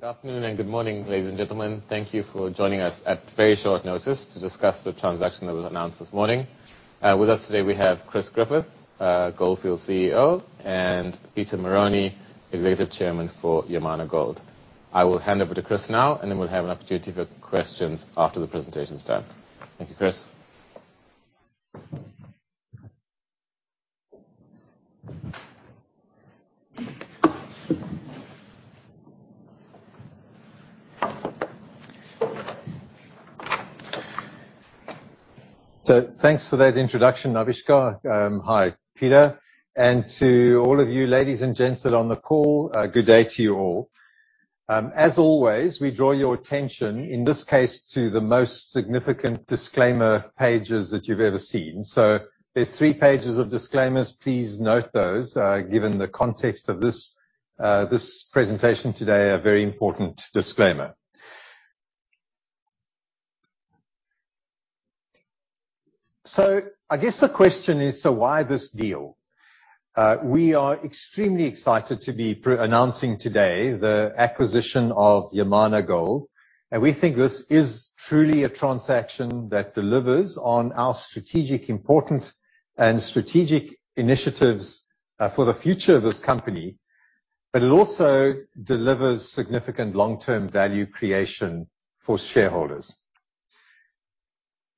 Good afternoon and good morning, ladies and gentlemen. Thank you for joining us at very short notice to discuss the transaction that was announced this morning. With us today, we have Chris Griffith, Gold Fields CEO, and Peter Marrone, Executive Chairman for Yamana Gold. I will hand over to Chris now, and then we'll have an opportunity for questions after the presentation is done. Thank you. Chris. Thanks for that introduction, Avishkar. Hi, Peter, and to all of you, ladies and gents, that are on the call, good day to you all. As always, we draw your attention in this case to the most significant disclaimer pages that you've ever seen. There's three pages of disclaimers. Please note those, given the context of this presentation today, a very important disclaimer. I guess the question is, why this deal? We are extremely excited to be announcing today the acquisition of Yamana Gold, and we think this is truly a transaction that delivers on our strategic important and strategic initiatives, for the future of this company. But it also delivers significant long-term value creation for shareholders.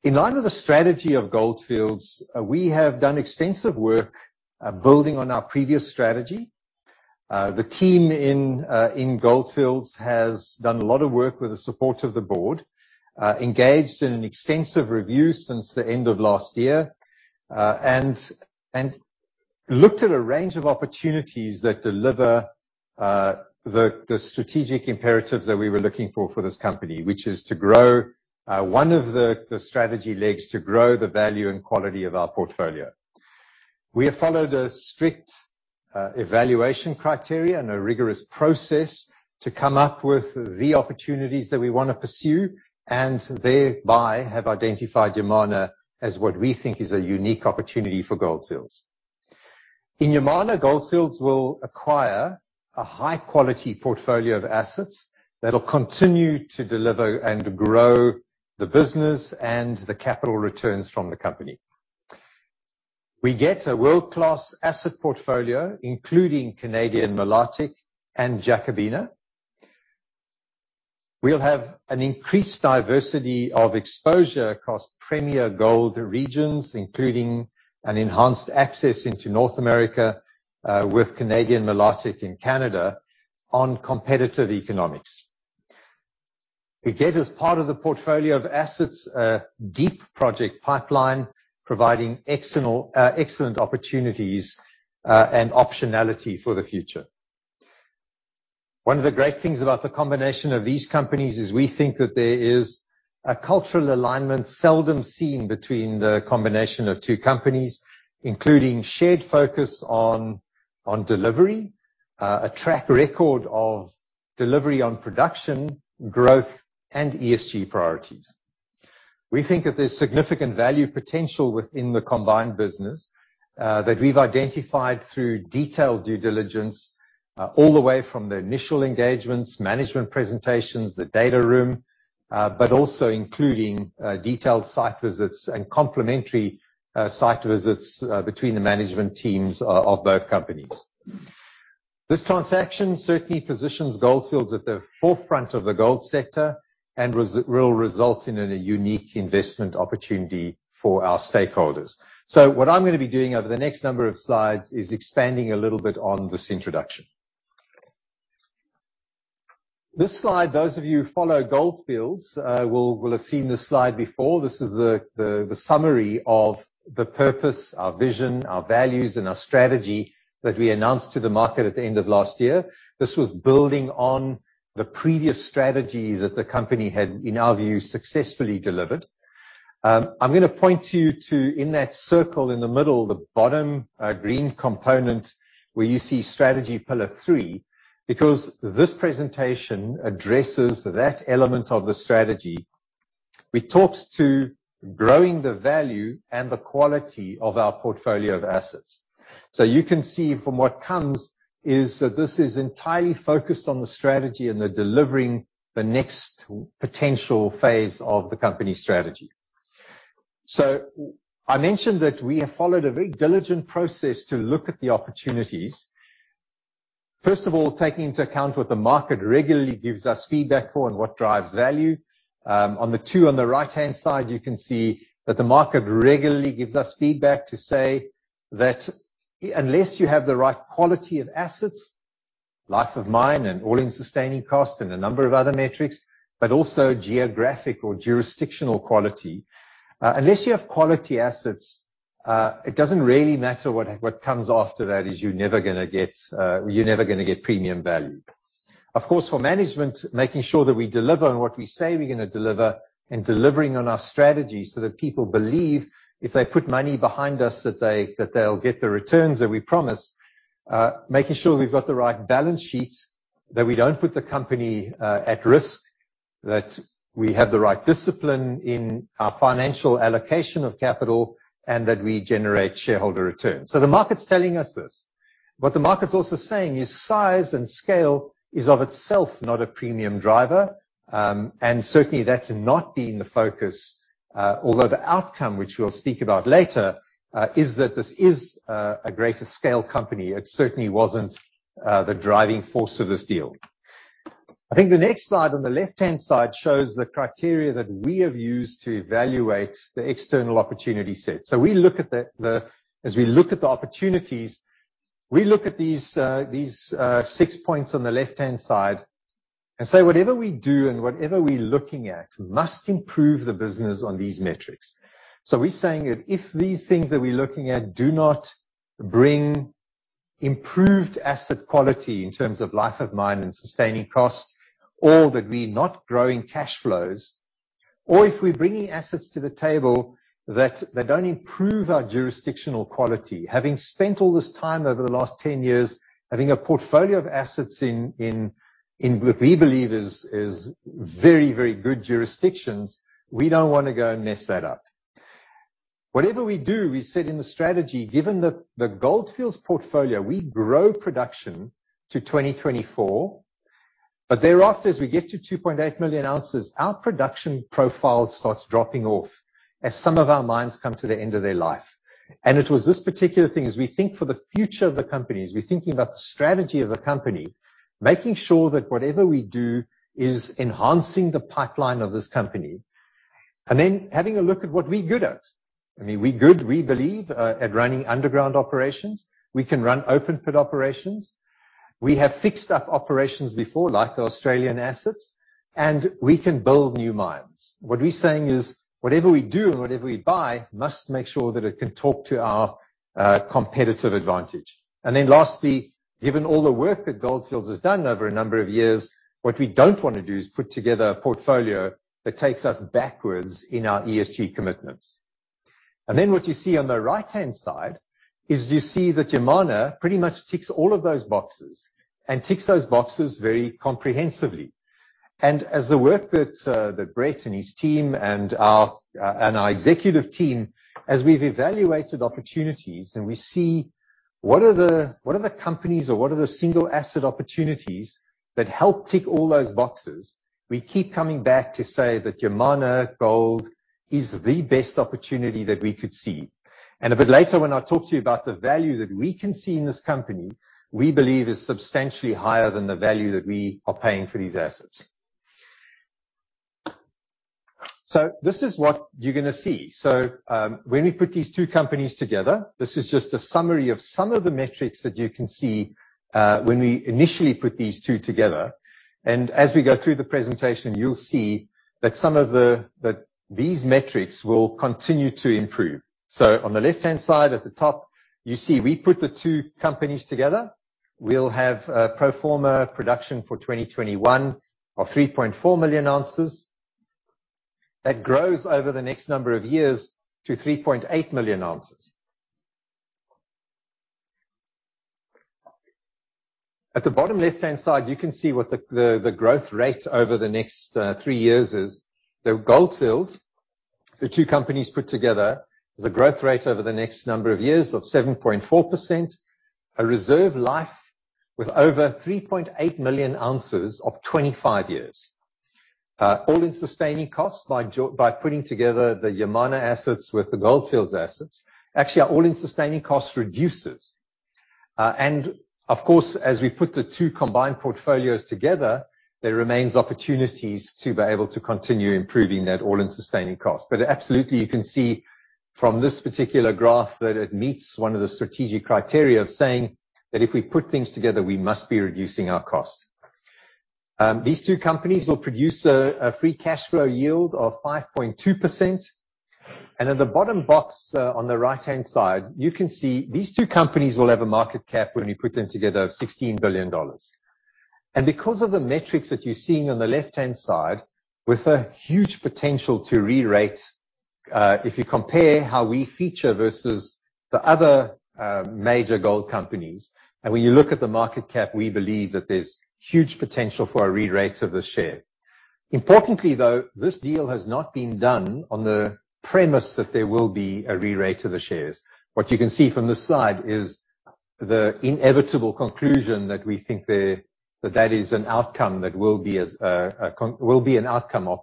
In line with the strategy of Gold Fields, we have done extensive work, building on our previous strategy. The team in Gold Fields has done a lot of work with the support of the board, engaged in an extensive review since the end of last year, and looked at a range of opportunities that deliver the strategic imperatives that we were looking for this company, which is to grow one of the strategy legs to grow the value and quality of our portfolio. We have followed a strict evaluation criteria and a rigorous process to come up with the opportunities that we wanna pursue and thereby have identified Yamana as what we think is a unique opportunity for Gold Fields. In Yamana, Gold Fields will acquire a high-quality portfolio of assets that will continue to deliver and grow the business and the capital returns from the company. We get a world-class asset portfolio, including Canadian Malartic and Jacobina. We'll have an increased diversity of exposure across premier gold regions, including an enhanced access into North America, with Canadian Malartic in Canada on competitive economics. We get as part of the portfolio of assets a deep project pipeline, providing excellent opportunities, and optionality for the future. One of the great things about the combination of these companies is we think that there is a cultural alignment seldom seen between the combination of two companies, including shared focus on delivery, a track record of delivery on production, growth, and ESG priorities. We think that there's significant value potential within the combined business that we've identified through detailed due diligence all the way from the initial engagements, management presentations, the data room, but also including detailed site visits and complementary site visits between the management teams of both companies. This transaction certainly positions Gold Fields at the forefront of the gold sector and will result in a unique investment opportunity for our stakeholders. What I'm gonna be doing over the next number of slides is expanding a little bit on this introduction. This slide, those of you who follow Gold Fields, will have seen this slide before. This is the summary of the purpose, our vision, our values, and our strategy that we announced to the market at the end of last year. This was building on the previous strategy that the company had, in our view, successfully delivered. I'm gonna point you to, in that circle in the middle, the bottom, green component where you see strategy pillar three, because this presentation addresses that element of the strategy, which talks to growing the value and the quality of our portfolio of assets. You can see from what comes is that this is entirely focused on the strategy and the delivering the next potential phase of the company strategy. I mentioned that we have followed a very diligent process to look at the opportunities. First of all, taking into account what the market regularly gives us feedback for and what drives value. On the two on the right-hand side, you can see that the market regularly gives us feedback to say that unless you have the right quality of assets, life of mine and all-in sustaining cost and a number of other metrics, but also geographic or jurisdictional quality. Unless you have quality assets, it doesn't really matter what comes after that is you're never gonna get premium value. Of course, for management, making sure that we deliver on what we say we're gonna deliver and delivering on our strategy so that people believe if they put money behind us, that they'll get the returns that we promise. Making sure we've got the right balance sheet, that we don't put the company at risk. That we have the right discipline in our financial allocation of capital and that we generate shareholder returns. The market's telling us this. What the market's also saying is size and scale is of itself not a premium driver. Certainly that's not been the focus, although the outcome which we'll speak about later, is that this is a greater scale company. It certainly wasn't the driving force of this deal. I think the next slide on the left-hand side shows the criteria that we have used to evaluate the external opportunity set. We look at the opportunities, we look at these 6 points on the left-hand side and say whatever we do and whatever we're looking at must improve the business on these metrics. We're saying that if these things that we're looking at do not bring improved asset quality in terms of life of mine and sustaining costs or that we're not growing cash flows or if we're bringing assets to the table that don't improve our jurisdictional quality. Having spent all this time over the last 10 years, having a portfolio of assets in what we believe is very good jurisdictions, we don't wanna go and mess that up. Whatever we do, we said in the strategy, given the Gold Fields portfolio, we grow production to 2024, but thereafter, as we get to 2.8 million ounces, our production profile starts dropping off as some of our mines come to the end of their life. It was this particular thing as we think for the future of the company, as we're thinking about the strategy of the company, making sure that whatever we do is enhancing the pipeline of this company. Then having a look at what we're good at. I mean, we're good, we believe, at running underground operations. We can run open pit operations. We have fixed up operations before, like the Australian assets, and we can build new mines. What we're saying is whatever we do and whatever we buy must make sure that it can talk to our competitive advantage. Lastly, given all the work that Gold Fields has done over a number of years, what we don't wanna do is put together a portfolio that takes us backwards in our ESG commitments. What you see on the right-hand side is you see that Yamana pretty much ticks all of those boxes and ticks those boxes very comprehensively. As the work that Brett and his team and our and our executive team, as we've evaluated opportunities and we see what are the companies or what are the single asset opportunities that help tick all those boxes, we keep coming back to say that Yamana Gold is the best opportunity that we could see. A bit later when I talk to you about the value that we can see in this company, we believe is substantially higher than the value that we are paying for these assets. This is what you're gonna see. When we put these two companies together, this is just a summary of some of the metrics that you can see, when we initially put these two together. As we go through the presentation, you'll see that some of the that these metrics will continue to improve. On the left-hand side at the top, you see we put the two companies together. We'll have a pro forma production for 2021 of 3.4 million ounces. That grows over the next number of years to 3.8 million ounces. At the bottom left-hand side, you can see what the growth rate over the next three years is. The Gold Fields, the two companies put together, there's a growth rate over the next number of years of 7.4%, a reserve life with over 3.8 million ounces of 25 years. All-in sustaining costs by putting together the Yamana assets with the Gold Fields assets actually our all-in sustaining cost reduces. Of course, as we put the two combined portfolios together, there remains opportunities to be able to continue improving that all-in sustaining cost. Absolutely you can see from this particular graph that it meets one of the strategic criteria of saying that if we put things together, we must be reducing our cost. These two companies will produce a free cash flow yield of 5.2%. At the bottom box, on the right-hand side, you can see these two companies will have a market cap when we put them together of $16 billion. Because of the metrics that you're seeing on the left-hand side with a huge potential to re-rate, if you compare how we fare versus the other, major gold companies, and when you look at the market cap, we believe that there's huge potential for a re-rate of the share. Importantly, though, this deal has not been done on the premise that there will be a re-rate of the shares. What you can see from this slide is the inevitable conclusion that we think there that that is an outcome of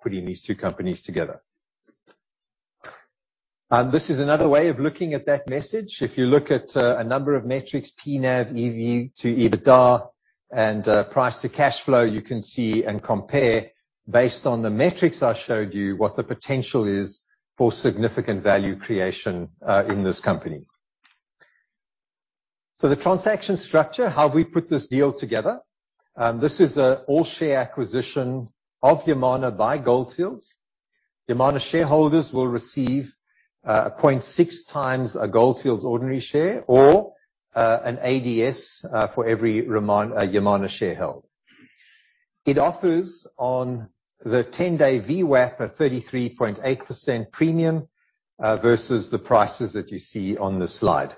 putting these two companies together. This is another way of looking at that message. If you look at a number of metrics, P/NAV, EV/EBITDA, and price to cash flow, you can see and compare based on the metrics I showed you what the potential is for significant value creation in this company. The transaction structure, how we put this deal together. This is an all-share acquisition of Yamana by Gold Fields. Yamana shareholders will receive 0.6x a Gold Fields ordinary share or an ADS for every Yamana share held. It offers on the 10-day VWAP a 33.8% premium versus the prices that you see on this slide.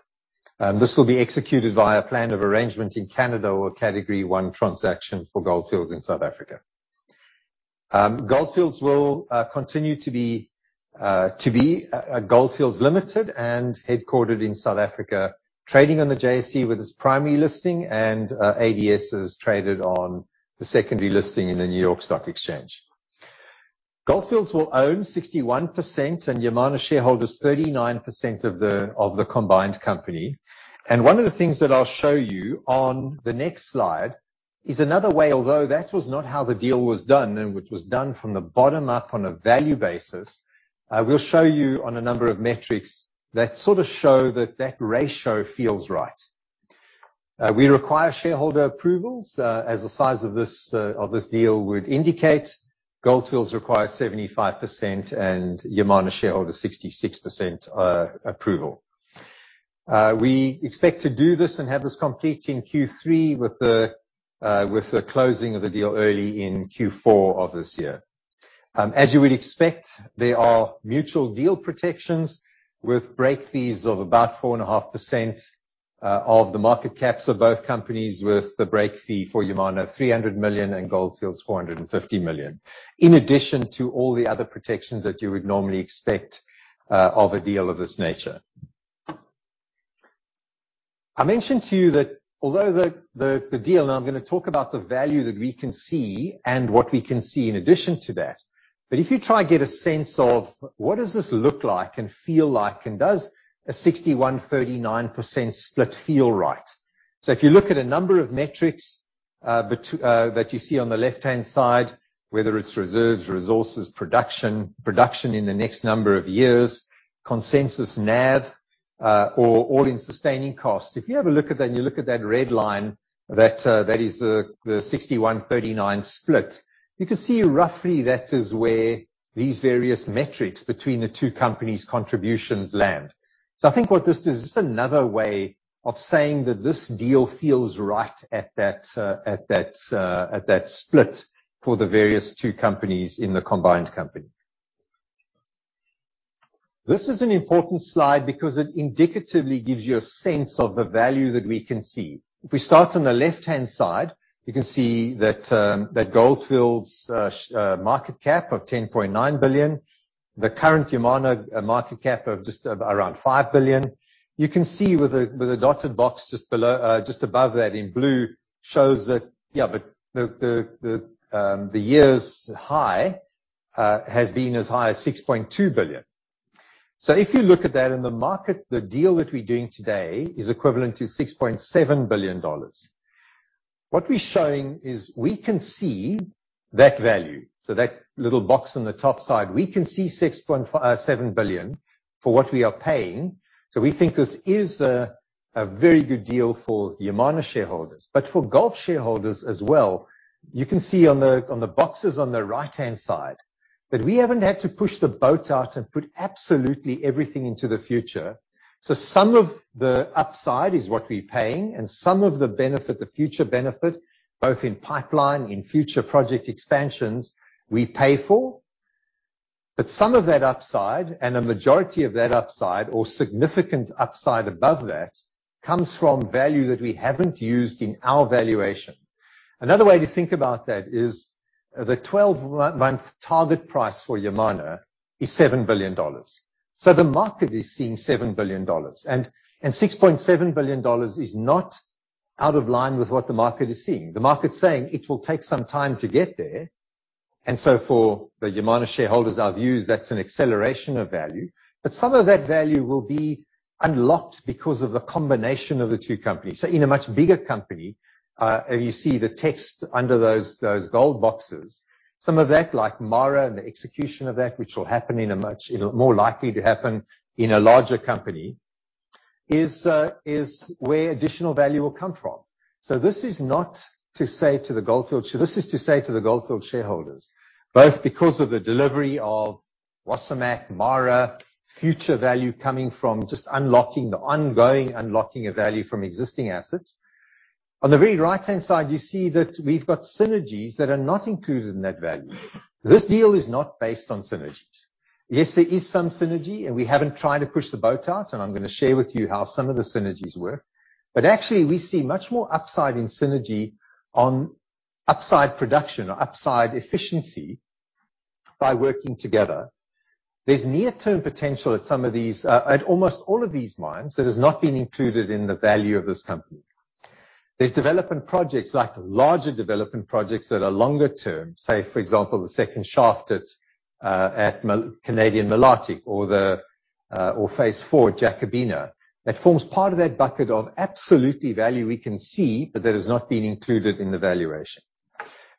This will be executed via a plan of arrangement in Canada or a category one transaction for Gold Fields in South Africa. Gold Fields will continue to be a Gold Fields Limited and headquartered in South Africa, trading on the JSE with its primary listing and ADSs traded on the secondary listing in the New York Stock Exchange. Gold Fields will own 61% and Yamana shareholders 39% of the combined company. One of the things that I'll show you on the next slide is another way, although that was not how the deal was done, and which was done from the bottom up on a value basis. I will show you on a number of metrics that sort of show that ratio feels right. We require shareholder approvals, as the size of this deal would indicate. Gold Fields requires 75% and Yamana Gold shareholders 66% approval. We expect to do this and have this complete in Q3 with the closing of the deal early in Q4 of this year. As you would expect, there are mutual deal protections with break fees of about 4.5% of the market caps of both companies, with the break fee for Yamana Gold $300 million, and Gold Fields $450 million, in addition to all the other protections that you would normally expect of a deal of this nature. I mentioned to you that although the deal, and I'm gonna talk about the value that we can see and what we can see in addition to that. If you try to get a sense of what does this look like and feel like, and does a 61/39 split feel right? If you look at a number of metrics that you see on the left-hand side, whether it's reserves, resources, production in the next number of years, consensus NAV, or all-in sustaining cost. If you have a look at that, and you look at that red line that is the 61/39 split, you can see roughly that is where these various metrics between the two companies' contributions land. I think what this does, this is another way of saying that this deal feels right at that split for the various two companies in the combined company. This is an important slide because it indicatively gives you a sense of the value that we can see. If we start on the left-hand side, you can see that Gold Fields market cap of $10.9 billion, the current Yamana market cap of just around $5 billion. You can see with the dotted box just below, just above that in blue, shows that the year's high has been as high as $6.2 billion. If you look at that in the market, the deal that we're doing today is equivalent to $6.7 billion. What we're showing is we can see that value. That little box on the top side, we can see $6.7 billion for what we are paying. We think this is a very good deal for Yamana shareholders. For Gold shareholders as well, you can see on the boxes on the right-hand side, that we haven't had to push the boat out and put absolutely everything into the future. Some of the upside is what we're paying and some of the benefit, the future benefit, both in pipeline, in future project expansions we pay for. Some of that upside and a majority of that upside or significant upside above that, comes from value that we haven't used in our valuation. Another way to think about that is the 12-month target price for Yamana is $7 billion. The market is seeing $7 billion. $6.7 billion is not out of line with what the market is seeing. The market's saying it will take some time to get there. For the Yamana shareholders, our view is that's an acceleration of value. Some of that value will be unlocked because of the combination of the two companies. In a much bigger company, you see the text under those gold boxes. Some of that, like Mara and the execution of that, which will happen in a much more likely to happen in a larger company, is where additional value will come from. This is not to say to the Gold Fields, this is to say to the Gold Fields shareholders, both because of the delivery of Wasamac, Mara, future value coming from just unlocking, the ongoing unlocking of value from existing assets. On the very right-hand side, you see that we've got synergies that are not included in that value. This deal is not based on synergies. Yes, there is some synergy, and we haven't tried to push the boat out, and I'm gonna share with you how some of the synergies work. Actually, we see much more upside in synergy on upside production or upside efficiency by working together. There's near-term potential at some of these, at almost all of these mines that has not been included in the value of this company. There's development projects like larger development projects that are longer term, say, for example, the second shaft at Canadian Malartic or phase IV at Jacobina, that forms part of that bucket of absolute value we can see but that has not been included in the valuation.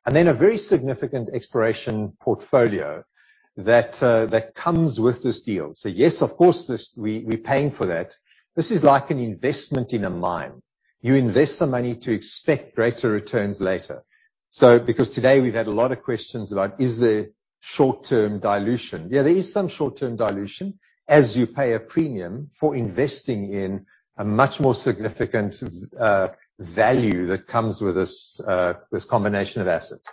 Then a very significant exploration portfolio that comes with this deal. Yes, of course, we're paying for that. This is like an investment in a mine. You invest some money to expect greater returns later. Because today we've had a lot of questions about, is there short-term dilution? Yeah, there is some short-term dilution as you pay a premium for investing in a much more significant value that comes with this combination of assets.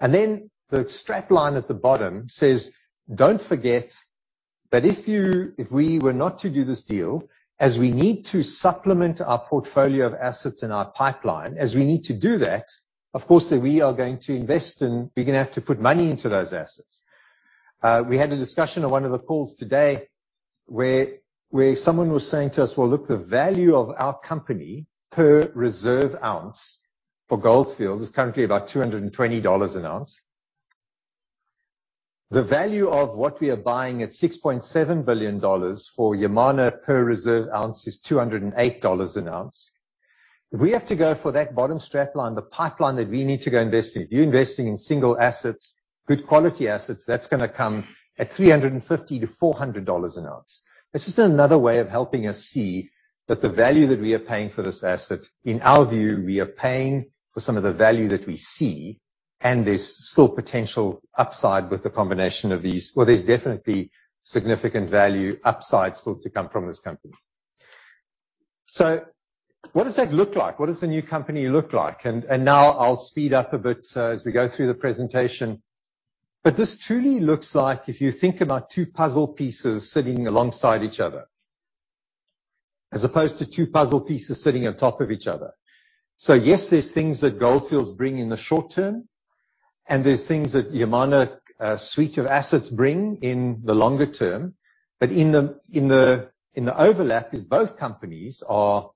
And then the strap line at the bottom says, "Don't forget that if you, if we were not to do this deal, as we need to supplement our portfolio of assets in our pipeline, as we need to do that, of course, that we are going to invest and we're gonna have to put money into those assets." We had a discussion on one of the calls today where someone was saying to us, "Well, look, the value of our company per reserve ounce for Gold Fields is currently about $220 an ounce." The value of what we are buying at $6.7 billion for Yamana per reserve ounce is $208 an ounce. If we have to go for that bottom strap line, the pipeline that we need to go invest in, if you're investing in single assets, good quality assets, that's gonna come at $350-$400 an ounce. It's just another way of helping us see that the value that we are paying for this asset, in our view, we are paying for some of the value that we see, and there's still potential upside with the combination of these. Well, there's definitely significant value upside still to come from this company. What does that look like? What does the new company look like? Now I'll speed up a bit, as we go through the presentation. This truly looks like if you think about two puzzle pieces sitting alongside each other as opposed to two puzzle pieces sitting on top of each other. Yes, there's things that Gold Fields bring in the short term, and there's things that Yamana suite of assets bring in the longer term. In the overlap is both companies are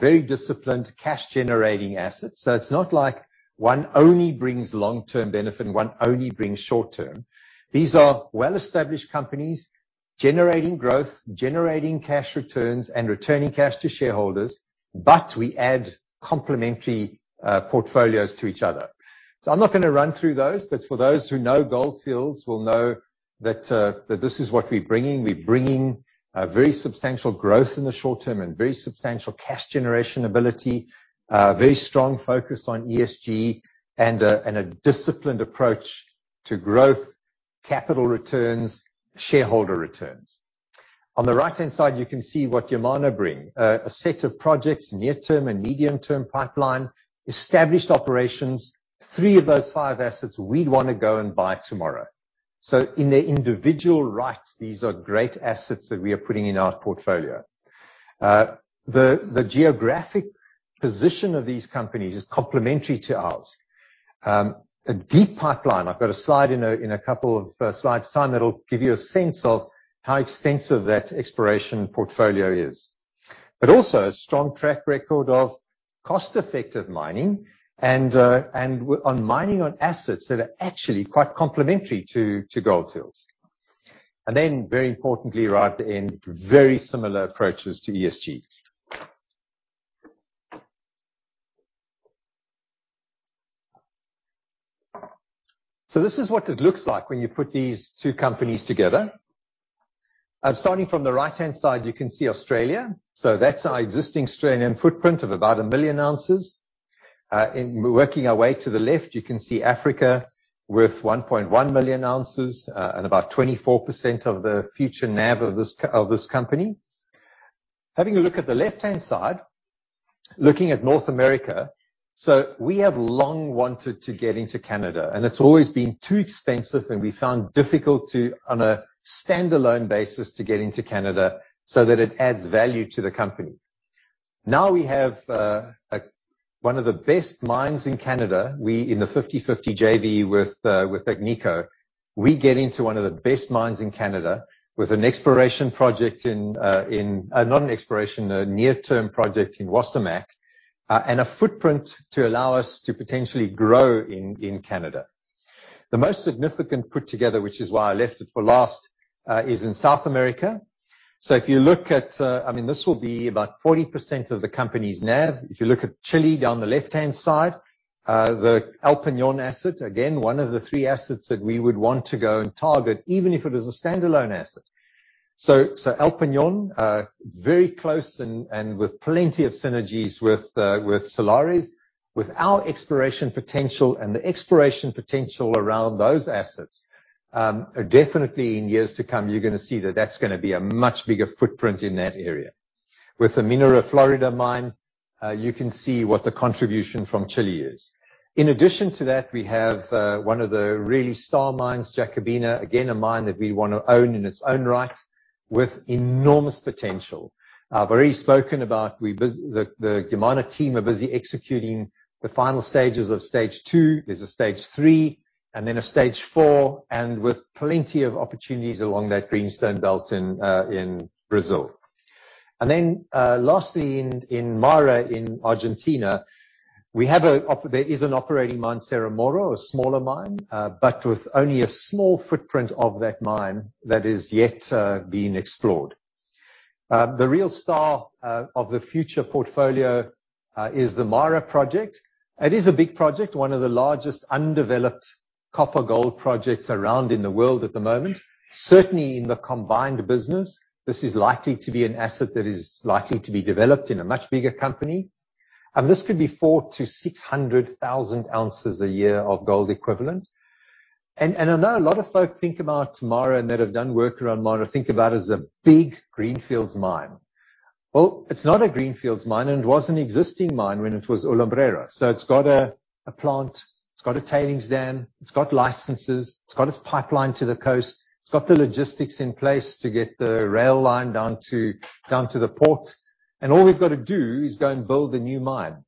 very disciplined cash-generating assets. It's not like one only brings long-term benefit, one only brings short-term. These are well-established companies generating growth, generating cash returns, and returning cash to shareholders, but we add complementary portfolios to each other. I'm not gonna run through those, but for those who know Gold Fields will know that this is what we're bringing. We're bringing very substantial growth in the short term and very substantial cash generation ability, very strong focus on ESG and a disciplined approach to growth, capital returns, shareholder returns. On the right-hand side, you can see what Yamana bring. A set of projects, near-term and medium-term pipeline, established operations. Three of those five assets we'd wanna go and buy tomorrow. So in their individual rights, these are great assets that we are putting in our portfolio. The geographic position of these companies is complementary to ours. A deep pipeline. I've got a slide in a couple of slides' time that'll give you a sense of how extensive that exploration portfolio is. But also a strong track record of cost-effective mining and on mining on assets that are actually quite complementary to Gold Fields. Very importantly, right at the end, very similar approaches to ESG. This is what it looks like when you put these two companies together. Starting from the right-hand side, you can see Australia. That's our existing Australian footprint of about a million ounces. Working our way to the left, you can see Africa with 1.1 million ounces, and about 24% of the future NAV of this company. Having a look at the left-hand side, looking at North America. We have long wanted to get into Canada, and it's always been too expensive, and we found difficult to, on a standalone basis, to get into Canada so that it adds value to the company. Now we have one of the best mines in Canada. We're in the 50/50 JV with Agnico, we get into one of the best mines in Canada with a near-term project in Wasamac, and a footprint to allow us to potentially grow in Canada. The most significant put together, which is why I left it for last, is in South America. If you look at, I mean, this will be about 40% of the company's NAV. If you look at Chile down the left-hand side, the El Peñón asset, again, one of the three assets that we would want to go and target, even if it is a standalone asset. El Peñón, very close and with plenty of synergies with Salares. With our exploration potential and the exploration potential around those assets, definitely in years to come, you're gonna see that that's gonna be a much bigger footprint in that area. With the Minera Florida mine, you can see what the contribution from Chile is. In addition to that, we have one of the really star mines, Jacobina. Again, a mine that we wanna own in its own right with enormous potential. I've already spoken about the Yamana team are busy executing the final stages of stage two. There's a stage three and then a stage four, and with plenty of opportunities along that greenstone belt in Brazil. Lastly in Mara in Argentina, we have an operating mine, Cerro Moro, a smaller mine, but with only a small footprint of that mine that is yet being explored. The real star of the future portfolio is the Mara project. It is a big project, one of the largest undeveloped copper gold projects around in the world at the moment. Certainly in the combined business, this is likely to be an asset that is likely to be developed in a much bigger company. This could be 400,000-600,000 ounces a year of gold equivalent. I know a lot of folk think about Mara, and that have done work around Mara, think about it as a big greenfields mine. Well, it's not a greenfields mine, and it was an existing mine when it was Alumbrera. It's got a plant, it's got a tailings dam, it's got licenses, it's got its pipeline to the coast, it's got the logistics in place to get the rail line down to the port. All we've got to do is go and build a new mine.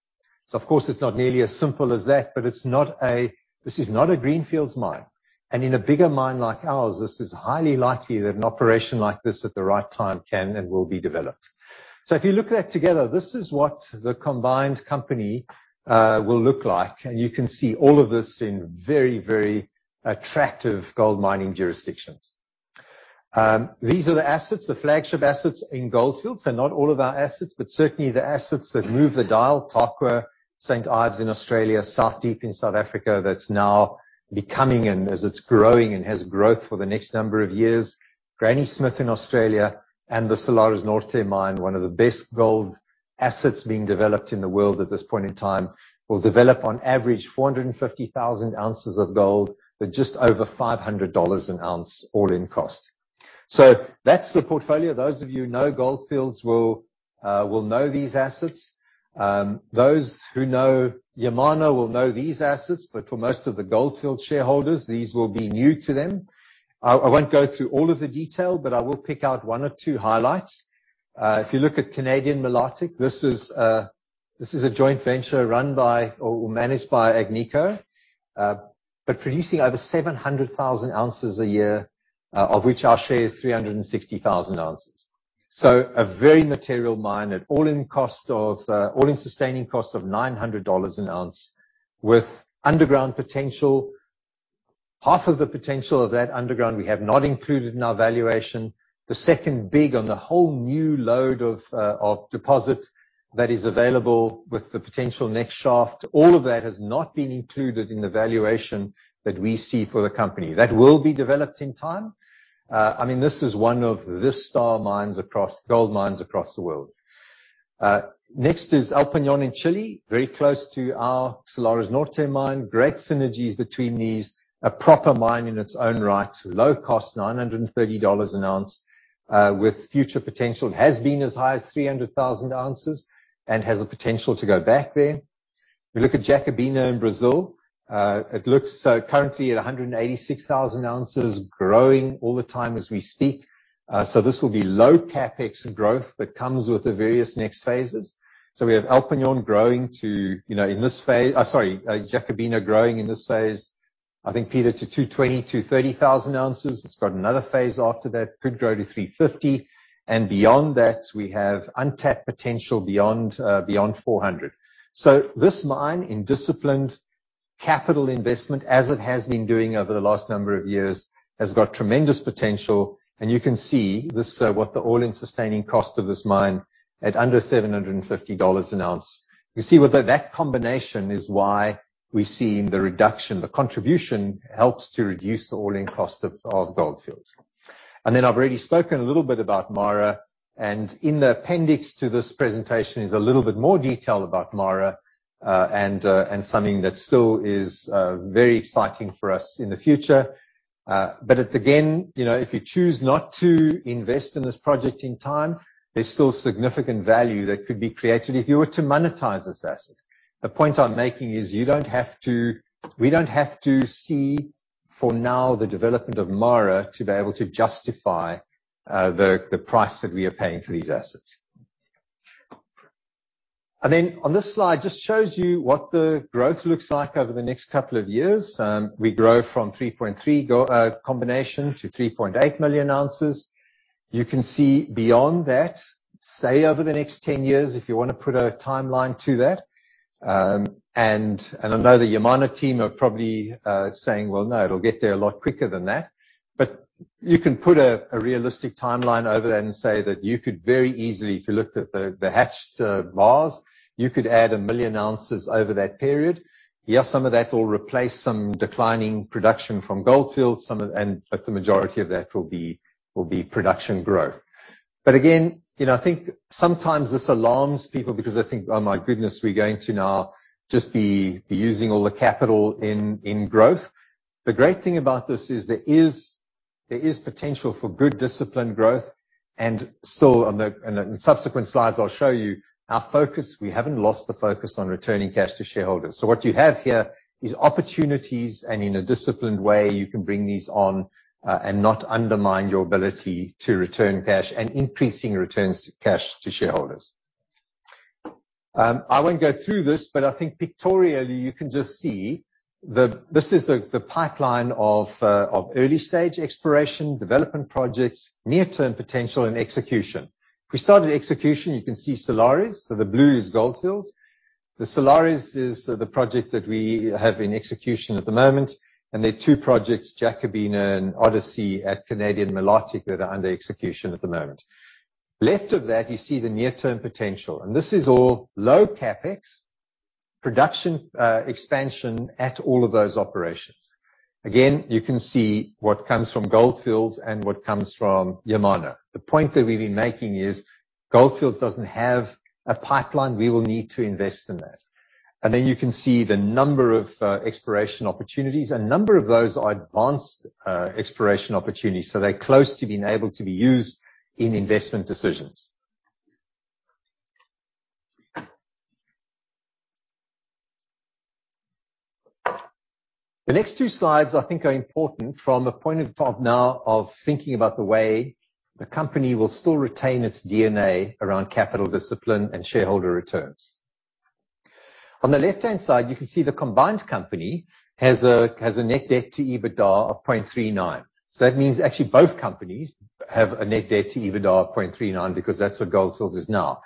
Of course, it's not nearly as simple as that, but it's not a greenfields mine. In a bigger mine like ours, this is highly likely that an operation like this at the right time can and will be developed. If you look at that together, this is what the combined company will look like. You can see all of this in very, very attractive gold mining jurisdictions. These are the assets, the flagship assets in Gold Fields. They're not all of our assets, but certainly the assets that move the dial. Tarkwa, St Ives in Australia, South Deep in South Africa, that's now becoming and as it's growing and has growth for the next number of years. Granny Smith in Australia and the Salares Norte mine, one of the best gold assets being developed in the world at this point in time, will develop on average 450,000 ounces of gold at just over $500 an ounce all-in cost. That's the portfolio. Those of you who know Gold Fields will know these assets. Those who know Yamana will know these assets. For most of the Gold Fields shareholders, these will be new to them. I won't go through all of the detail, but I will pick out one or two highlights. If you look at Canadian Malartic, this is a joint venture run by or managed by Agnico, but producing over 700,000 ounces a year, of which our share is 360,000 ounces. A very material mine at all-in sustaining cost of $900 an ounce with underground potential. Half of the potential of that underground we have not included in our valuation. The second big one, the whole new lode of deposit that is available with the potential next shaft. All of that has not been included in the valuation that we see for the company. That will be developed in time. I mean, this is one of the star mines across gold mines across the world. Next is El Peñon in Chile, very close to our Salares Norte mine. Great synergies between these. A proper mine in its own right. Low cost, $930 an ounce, with future potential. It has been as high as 300,000 ounces and has the potential to go back there. If you look at Jacobina in Brazil, it looks currently at 186,000 ounces growing all the time as we speak. This will be low CapEx growth that comes with the various next phases. Jacobina growing in this phase, I think, Peter, to 220,000-230,000 ounces. It's got another phase after that, could grow to 350,000 ounces. Beyond that, we have untapped potential beyond 400,ooo ounces. This mine in disciplined capital investment, as it has been doing over the last number of years, has got tremendous potential. You can see this, what the all-in sustaining cost of this mine at under $750 an ounce. You see what that combination is why we're seeing the reduction. The contribution helps to reduce the all-in cost of Gold Fields. Then I've already spoken a little bit about Mara, and in the appendix to this presentation is a little bit more detail about Mara, and something that still is very exciting for us in the future. Again, you know, if you choose not to invest in this project in time, there's still significant value that could be created if you were to monetize this asset. The point I'm making is we don't have to see for now the development of Mara to be able to justify the price that we are paying for these assets. On this slide, just shows you what the growth looks like over the next couple of years. We grow from 3.3 GEO combination to 3.8 million ounces. You can see beyond that, say over the next 10 years, if you wanna put a timeline to that. I know the Yamana team are probably saying, "Well, no, it'll get there a lot quicker than that." You can put a realistic timeline over that and say that you could very easily, if you looked at the hatched bars, you could add a million ounces over that period. Yes, some of that will replace some declining production from Gold Fields, but the majority of that will be production growth. Again, you know, I think sometimes this alarms people because they think, "Oh my goodness, we're going to now just be using all the capital in growth." The great thing about this is there is potential for good disciplined growth. In the subsequent slides, I'll show you our focus. We haven't lost the focus on returning cash to shareholders. What you have here is opportunities, and in a disciplined way, you can bring these on, and not undermine your ability to return cash and increasing returns to cash to shareholders. I won't go through this, but I think pictorially, you can just see this is the pipeline of early-stage exploration, development projects, near-term potential and execution. If we start at execution, you can see Salares. The blue is Gold Fields. The Salares is the project that we have in execution at the moment, and there are two projects, Jacobina and Odyssey at Canadian Malartic, that are under execution at the moment. Left of that, you see the near-term potential, and this is all low CapEx production expansion at all of those operations. Again, you can see what comes from Gold Fields and what comes from Yamana. The point that we've been making is Gold Fields doesn't have a pipeline. We will need to invest in that. You can see the number of exploration opportunities. A number of those are advanced exploration opportunities, so they're close to being able to be used in investment decisions. The next two slides, I think, are important from a point of view now of thinking about the way the company will still retain its DNA around capital discipline and shareholder returns. On the left-hand side, you can see the combined company has a net debt to EBITDA of 0.39%. That means actually both companies have a net debt to EBITDA of 0.39% because that's what Gold Fields is now.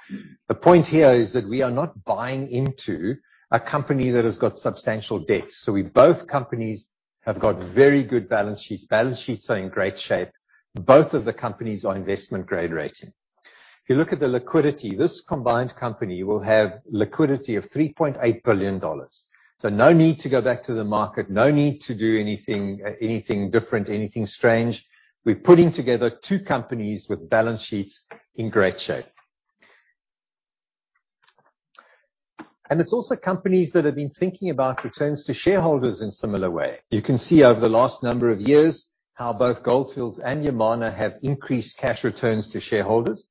The point here is that we are not buying into a company that has got substantial debt. We both companies have got very good balance sheets. Balance sheets are in great shape. Both of the companies are investment-grade rating. If you look at the liquidity, this combined company will have liquidity of $3.8 billion. No need to go back to the market. No need to do anything different, anything strange. We're putting together two companies with balance sheets in great shape. It's also companies that have been thinking about returns to shareholders in similar way. You can see over the last number of years how both Gold Fields and Yamana have increased cash returns to shareholders.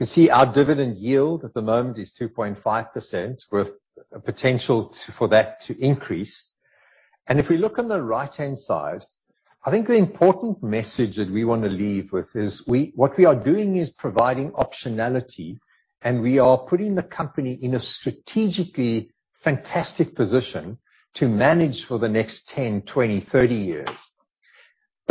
You can see our dividend yield at the moment is 2.5%, with potential for that to increase. If we look on the right-hand side, I think the important message that we wanna leave with is what we are doing is providing optionality, and we are putting the company in a strategically fantastic position to manage for the next 10, 20, 30 years.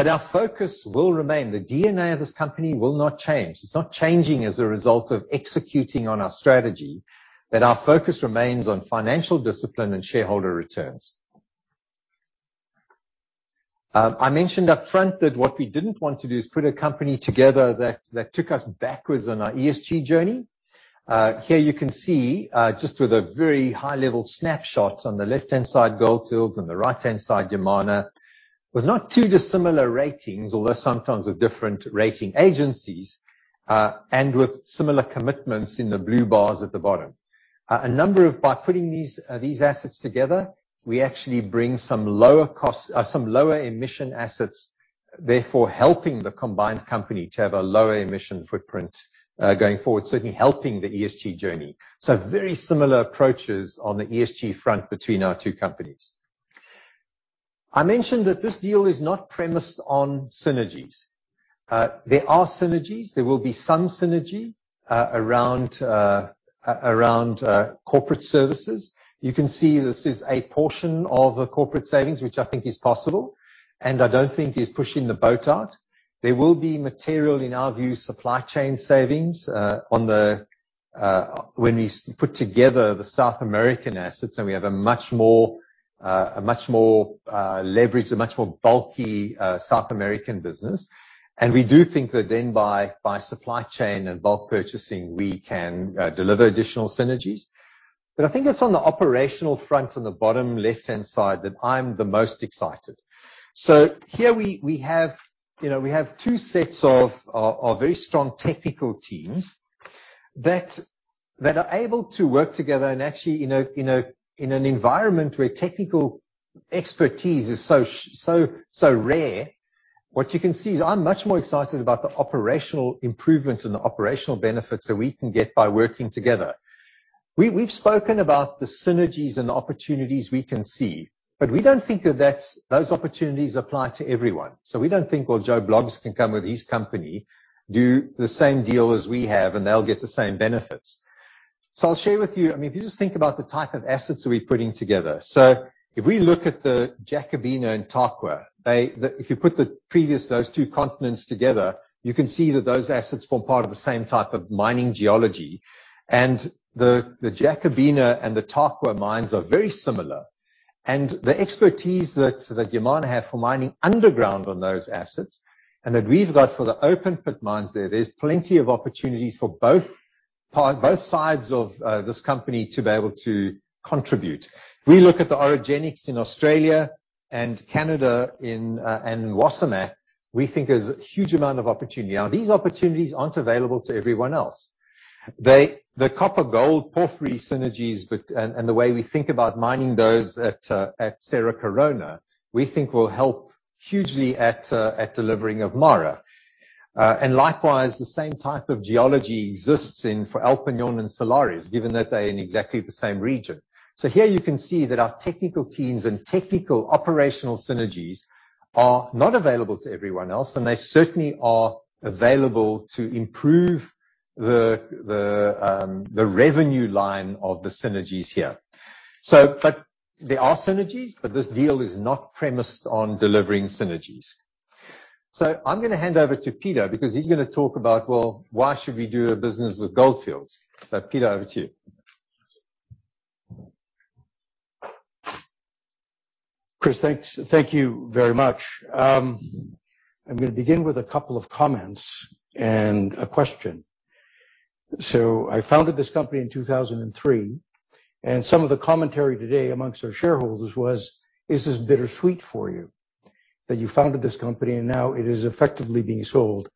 Our focus will remain. The DNA of this company will not change. It's not changing as a result of executing on our strategy. Our focus remains on financial discipline and shareholder returns. I mentioned up front that what we didn't want to do is put a company together that took us backwards on our ESG journey. Here you can see just with a very high-level snapshot on the left-hand side, Gold Fields, on the right-hand side, Yamana, with not too dissimilar ratings, although sometimes with different rating agencies, and with similar commitments in the blue bars at the bottom. By putting these assets together, we actually bring some lower costs, some lower emission assets, therefore helping the combined company to have a lower emission footprint going forward, certainly helping the ESG journey. Very similar approaches on the ESG front between our two companies. I mentioned that this deal is not premised on synergies. There are synergies. There will be some synergy around corporate services. You can see this is a portion of the corporate savings, which I think is possible, and I don't think is pushing the boat out. There will be material, in our view, supply chain savings when we put together the South American assets, and we have a much more leveraged, much more bulky South American business. We do think that then by supply chain and bulk purchasing, we can deliver additional synergies. I think it's on the operational front, on the bottom left-hand side, that I'm the most excited. Here we have, you know, two sets of very strong technical teams that are able to work together. Actually, in an environment where technical expertise is so short, so rare, what you can see is I'm much more excited about the operational improvements and the operational benefits that we can get by working together. We've spoken about the synergies and the opportunities we can see, but we don't think that those opportunities apply to everyone. We don't think, well, Joe Bloggs can come with his company, do the same deal as we have, and they'll get the same benefits. I'll share with you. I mean, if you just think about the type of assets that we're putting together. If we look at the Jacobina and Tarkwa, if you put those two continents together, you can see that those assets form part of the same type of mining geology. The Jacobina and the Tarkwa mines are very similar. The expertise that Yamana have for mining underground on those assets, and that we've got for the open pit mines there's plenty of opportunities for both sides of this company to be able to contribute. If we look at the orogenics in Australia and Canada, and Wasamac, we think there's a huge amount of opportunity. Now, these opportunities aren't available to everyone else. The copper gold porphyry synergies, and the way we think about mining those at Cerro Corona, we think will help hugely at delivering of Mara. Likewise, the same type of geology exists for El Peñon and Salares, given that they're in exactly the same region. Here you can see that our technical teams and technical operational synergies are not available to everyone else, and they certainly are available to improve the revenue line of the synergies here. But there are synergies, but this deal is not premised on delivering synergies. I'm gonna hand over to Peter because he's gonna talk about, well, why should we do a business with Gold Fields? Peter, over to you. Chris, thanks. Thank you very much. I'm gonna begin with a couple of comments and a question. I founded this company in 2003, and some of the commentary today among our shareholders was, is this bittersweet for you, that you founded this company and now it is effectively being sold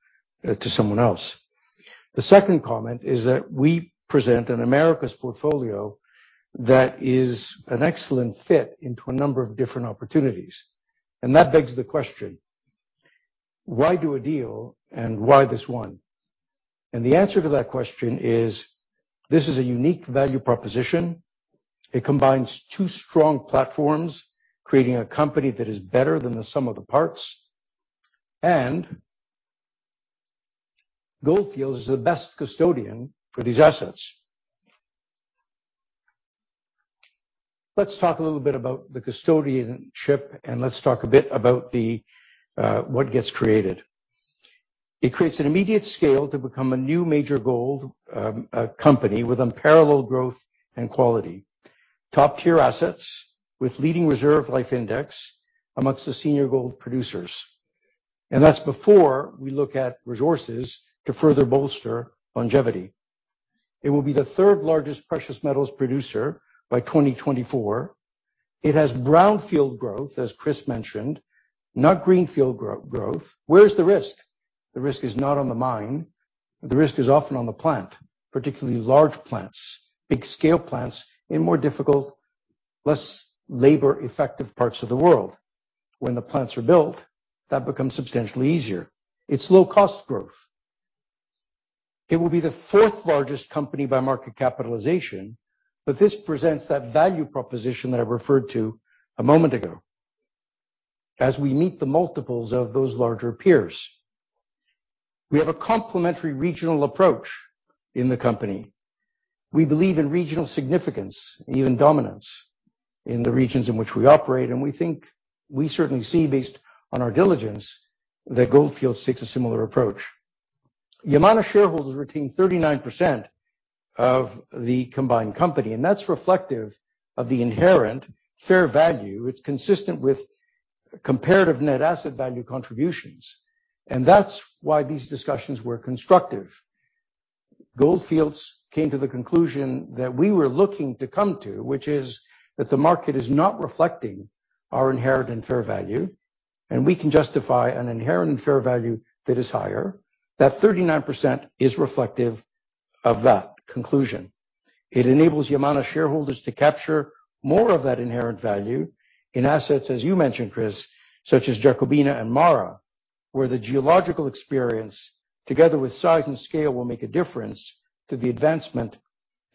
to someone else. The second comment is that we present an Americas portfolio that is an excellent fit into a number of different opportunities. That begs the question, why do a deal and why this one? The answer to that question is, this is a unique value proposition. It combines two strong platforms, creating a company that is better than the sum of the parts, and Gold Fields is the best custodian for these assets. Let's talk a little bit about the custodianship, and let's talk a bit about the what gets created. It creates an immediate scale to become a new major gold company with unparalleled growth and quality. Top-tier assets with leading reserve life index amongst the senior gold producers. That's before we look at resources to further bolster longevity. It will be the third-largest precious metals producer by 2024. It has brownfield growth, as Chris mentioned, not greenfield growth. Where's the risk? The risk is not on the mine, the risk is often on the plant, particularly large plants, big scale plants in more difficult, less labor effective parts of the world. When the plants are built, that becomes substantially easier. It's low cost growth. It will be the fourth-largest company by market capitalization, but this presents that value proposition that I referred to a moment ago. As we meet the multiples of those larger peers. We have a complementary regional approach in the company. We believe in regional significance, even dominance in the regions in which we operate, and we think we certainly see based on our diligence that Gold Fields seeks a similar approach. Yamana shareholders retain 39% of the combined company, and that's reflective of the inherent fair value. It's consistent with comparative net asset value contributions, and that's why these discussions were constructive. Gold Fields came to the conclusion that we were looking to come to, which is that the market is not reflecting our inherent and fair value, and we can justify an inherent and fair value that is higher, that 39% is reflective of that conclusion. It enables Yamana shareholders to capture more of that inherent value in assets, as you mentioned, Chris, such as Jacobina and Mara, where the geological experience together with size and scale will make a difference to the advancement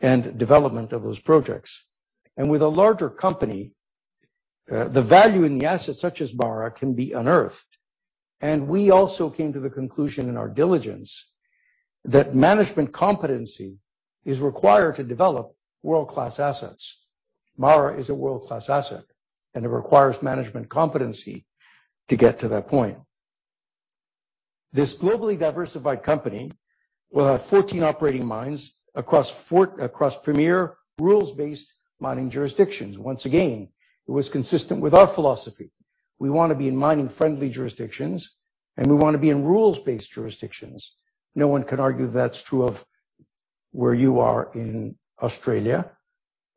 and development of those projects. With a larger company, the value in the assets such as Mara can be unearthed. We also came to the conclusion in our diligence that management competency is required to develop world-class assets. Mara is a world-class asset, and it requires management competency to get to that point. This globally diversified company will have 14 operating mines across four premier rules-based mining jurisdictions. Once again, it was consistent with our philosophy. We wanna be in mining-friendly jurisdictions, and we wanna be in rules-based jurisdictions. No one can argue that's true of where you are in Australia.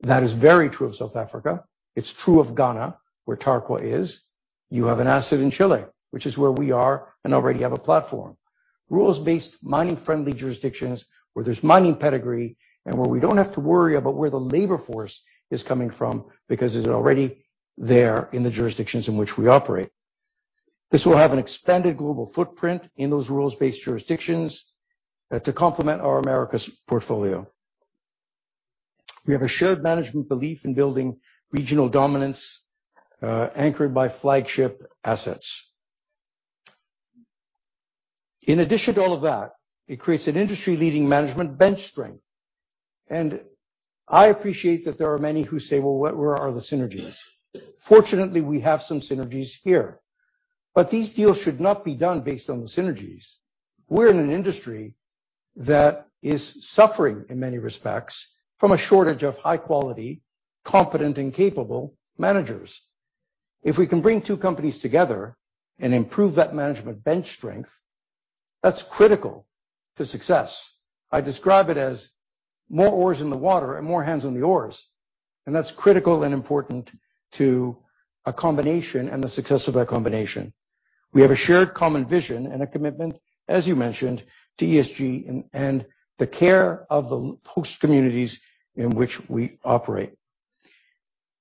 That is very true of South Africa. It's true of Ghana, where Tarkwa is. You have an asset in Chile, which is where we are and already have a platform. Rules-based, mining-friendly jurisdictions where there's mining pedigree and where we don't have to worry about where the labor force is coming from because it's already there in the jurisdictions in which we operate. This will have an expanded global footprint in those rules-based jurisdictions to complement our Americas portfolio. We have a shared management belief in building regional dominance anchored by flagship assets. In addition to all of that, it creates an industry-leading management bench strength. I appreciate that there are many who say, "Well, where are the synergies?" Fortunately, we have some synergies here. These deals should not be done based on the synergies. We're in an industry that is suffering in many respects from a shortage of high quality, competent and capable managers. If we can bring two companies together and improve that management bench strength, that's critical to success. I describe it as more oars in the water and more hands on the oars, and that's critical and important to a combination and the success of that combination. We have a shared common vision and a commitment, as you mentioned, to ESG and the care of the host communities in which we operate.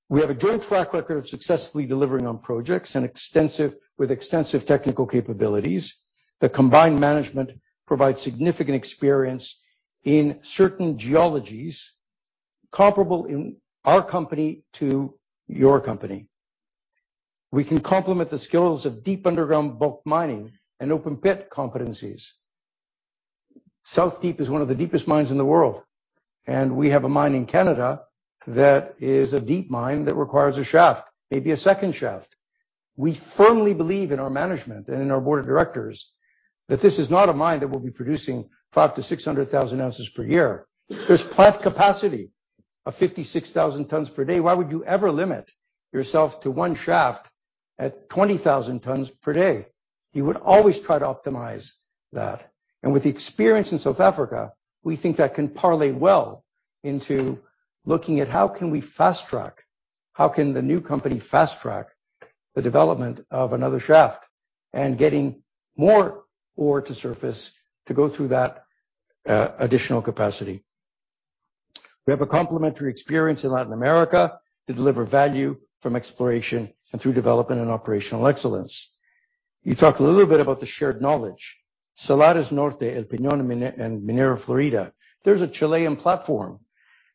We have a joint track record of successfully delivering on projects with extensive technical capabilities. The combined management provides significant experience in certain geologies, comparable in our company to your company. We can complement the skills of deep underground bulk mining and open pit competencies. South Deep is one of the deepest mines in the world, and we have a mine in Canada that is a deep mine that requires a shaft, maybe a second shaft. We firmly believe in our management and in our board of directors that this is not a mine that will be producing 500,000-600,000 ounces per year. There's plant capacity of 56,000 tons per day. Why would you ever limit yourself to one shaft at 20,000 tons per day? You would always try to optimize that. With experience in South Africa, we think that can parlay well into looking at how can we fast-track, how can the new company fast-track the development of another shaft and getting more ore to surface to go through that additional capacity. We have a complementary experience in Latin America to deliver value from exploration and through development and operational excellence. You talked a little bit about the shared knowledge. Salar Norte, El Peñón, and Minera Florida. There's a Chilean platform,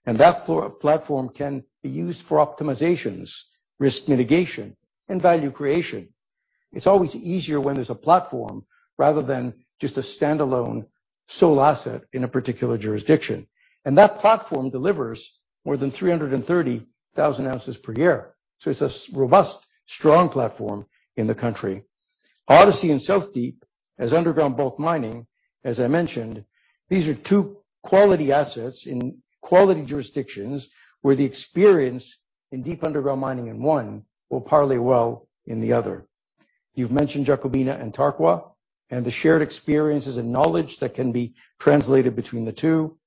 and that platform can be used for optimizations, risk mitigation, and value creation. It's always easier when there's a platform rather than just a standalone sole asset in a particular jurisdiction. That platform delivers more than 330,000 ounces per year. It's a robust, strong platform in the country. Odyssey and South Deep has underground bulk mining, as I mentioned. These are two quality assets in quality jurisdictions where the experience in deep underground mining in one will parlay well in the other. You've mentioned Jacobina and Tarkwa and the shared experiences and knowledge that can be translated between the two.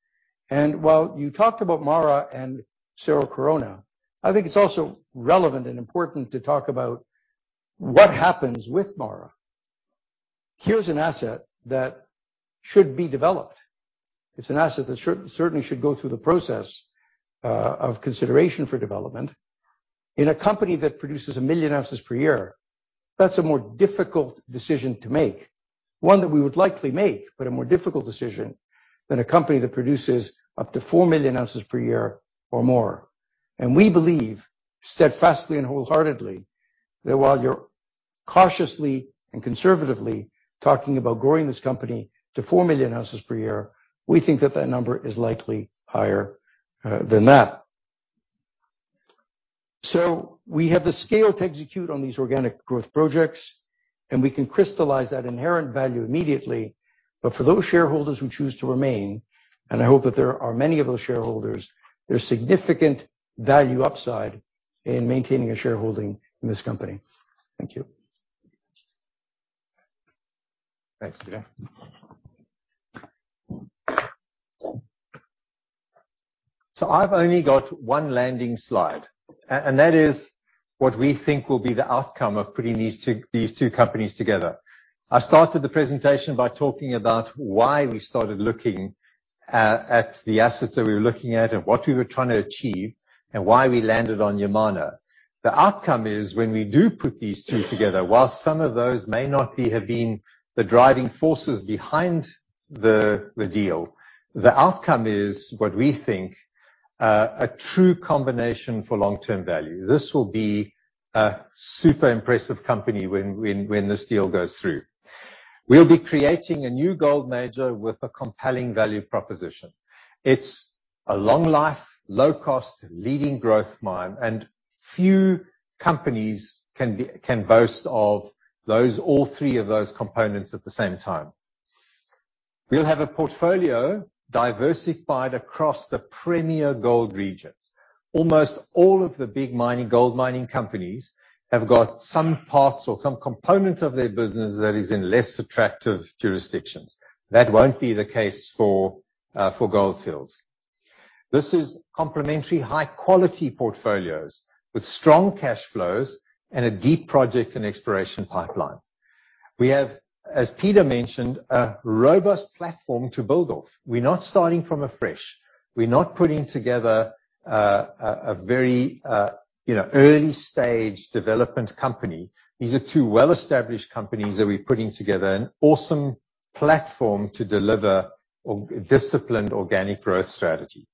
While you talked about Mara and Cerro Corona, I think it's also relevant and important to talk about what happens with Mara. Here's an asset that should be developed. It's an asset that certainly should go through the process of consideration for development. In a company that produces 1 million ounces per year, that's a more difficult decision to make. One that we would likely make, but a more difficult decision than a company that produces up to 4 million ounces per year or more. We believe steadfastly and wholeheartedly that while you're cautiously and conservatively talking about growing this company to 4 million ounces per year, we think that that number is likely higher than that. We have the scale to execute on these organic growth projects, and we can crystallize that inherent value immediately. For those shareholders who choose to remain, and I hope that there are many of those shareholders, there's significant value upside in maintaining a shareholding in this company. Thank you. Thanks, Peter. I've only got one landing slide, and that is what we think will be the outcome of putting these two companies together. I started the presentation by talking about why we started looking at the assets that we were looking at and what we were trying to achieve and why we landed on Yamana. The outcome is when we do put these two together, while some of those may not have been the driving forces behind the deal, the outcome is what we think a true combination for long-term value. This will be a super impressive company when this deal goes through. We'll be creating a new gold major with a compelling value proposition. It's a long life, low cost, leading growth mine, and few companies can boast of all three of those components at the same time. We'll have a portfolio diversified across the premier gold regions. Almost all of the big mining, gold mining companies have got some parts or some component of their business that is in less attractive jurisdictions. That won't be the case for Gold Fields. This is complementary, high quality portfolios with strong cash flows and a deep project and exploration pipeline. We have, as Peter mentioned, a robust platform to build off. We're not starting from afresh. We're not putting together a very you know early stage development company. These are two well-established companies that we're putting together. An awesome platform to deliver disciplined organic growth strategy.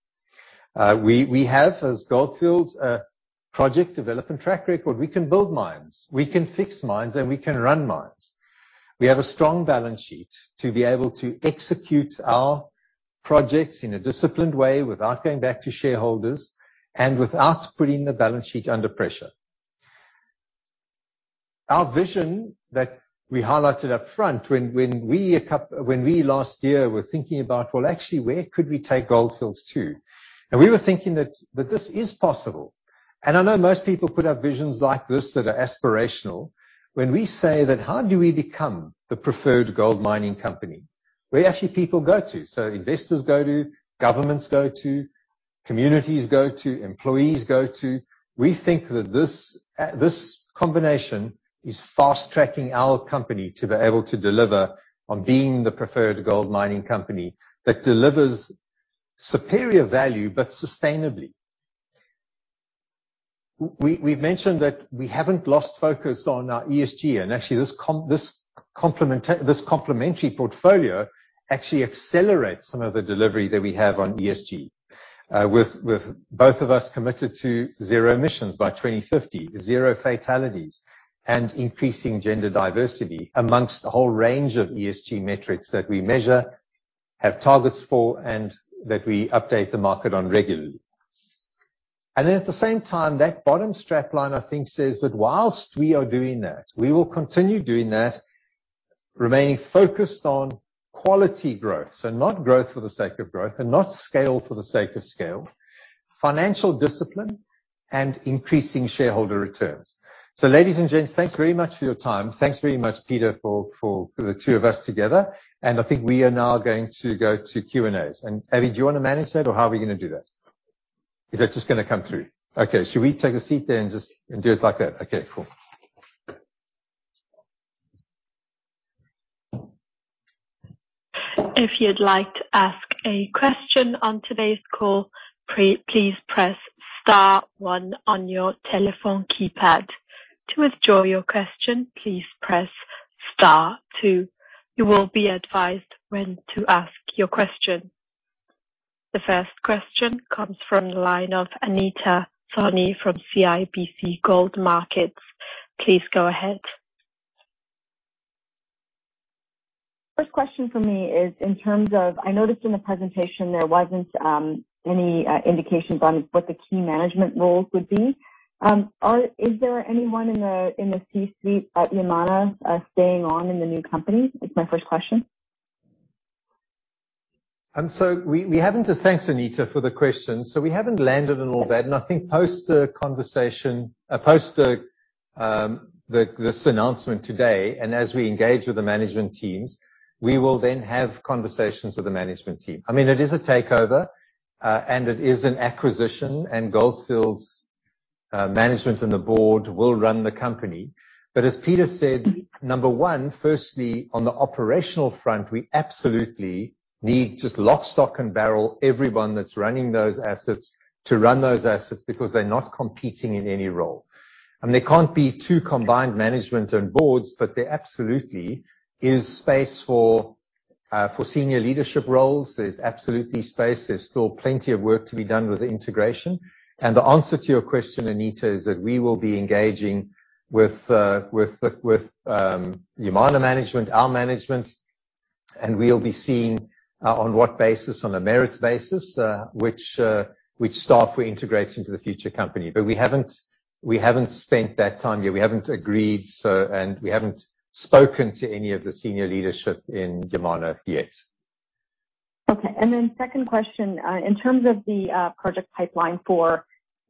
We have, as Gold Fields, a project development track record. We can build mines, we can fix mines, and we can run mines. We have a strong balance sheet to be able to execute our projects in a disciplined way without going back to shareholders and without putting the balance sheet under pressure. Our vision that we highlighted up front when we last year were thinking about, well, actually, where could we take Gold Fields to? We were thinking that this is possible. I know most people put out visions like this that are aspirational. When we say that, how do we become the preferred gold mining company? Where actually people go to. Investors go to, governments go to, communities go to, employees go to. We think that this combination is fast-tracking our company to be able to deliver on being the preferred gold mining company that delivers superior value, but sustainably. We've mentioned that we haven't lost focus on our ESG, and actually, this complementary portfolio actually accelerates some of the delivery that we have on ESG. With both of us committed to zero emissions by 2050, zero fatalities, and increasing gender diversity among the whole range of ESG metrics that we measure, have targets for, and that we update the market on regularly. At the same time, that bottom strap line, I think, says that while we are doing that, we will continue doing that, remaining focused on quality growth. Not growth for the sake of growth and not scale for the sake of scale. Financial discipline and increasing shareholder returns. Ladies and gents, thanks very much for your time. Thanks very much, Peter, for the two of us together. I think we are now going to go to Q&As. Avi, do you wanna manage that or how are we gonna do that? Is that just gonna come through? Okay. Should we take a seat there and just do it like that? Okay, cool. If you'd like to ask a question on today's call, please press star one on your telephone keypad. To withdraw your question, please press star two. You will be advised when to ask your question. The first question comes from the line of Anita Soni from CIBC World Markets. Please go ahead. First question from me is in terms of I noticed in the presentation there wasn't any indications on what the key management roles would be. Is there anyone in the C-suite at Yamana staying on in the new company? It's my first question. We happen to. Thanks, Anita for the question. We haven't landed on all that. I think post this announcement today, and as we engage with the management teams, we will then have conversations with the management team. I mean, it is a takeover, and it is an acquisition, and Gold Fields' management and the board will run the company. As Peter said, number one, firstly, on the operational front, we absolutely need just lock, stock, and barrel, everyone that's running those assets to run those assets because they're not competing in any role. There can't be two combined management and boards, but there absolutely is space for senior leadership roles. There's absolutely space. There's still plenty of work to be done with the integration. The answer to your question, Anita, is that we will be engaging with the Yamana management, our management, and we'll be seeing on what basis, on a merits basis, which staff we integrate into the future company. We haven't spent that time yet. We haven't agreed so, and we haven't spoken to any of the senior leadership in Yamana yet. Okay. Second question, in terms of the project pipeline for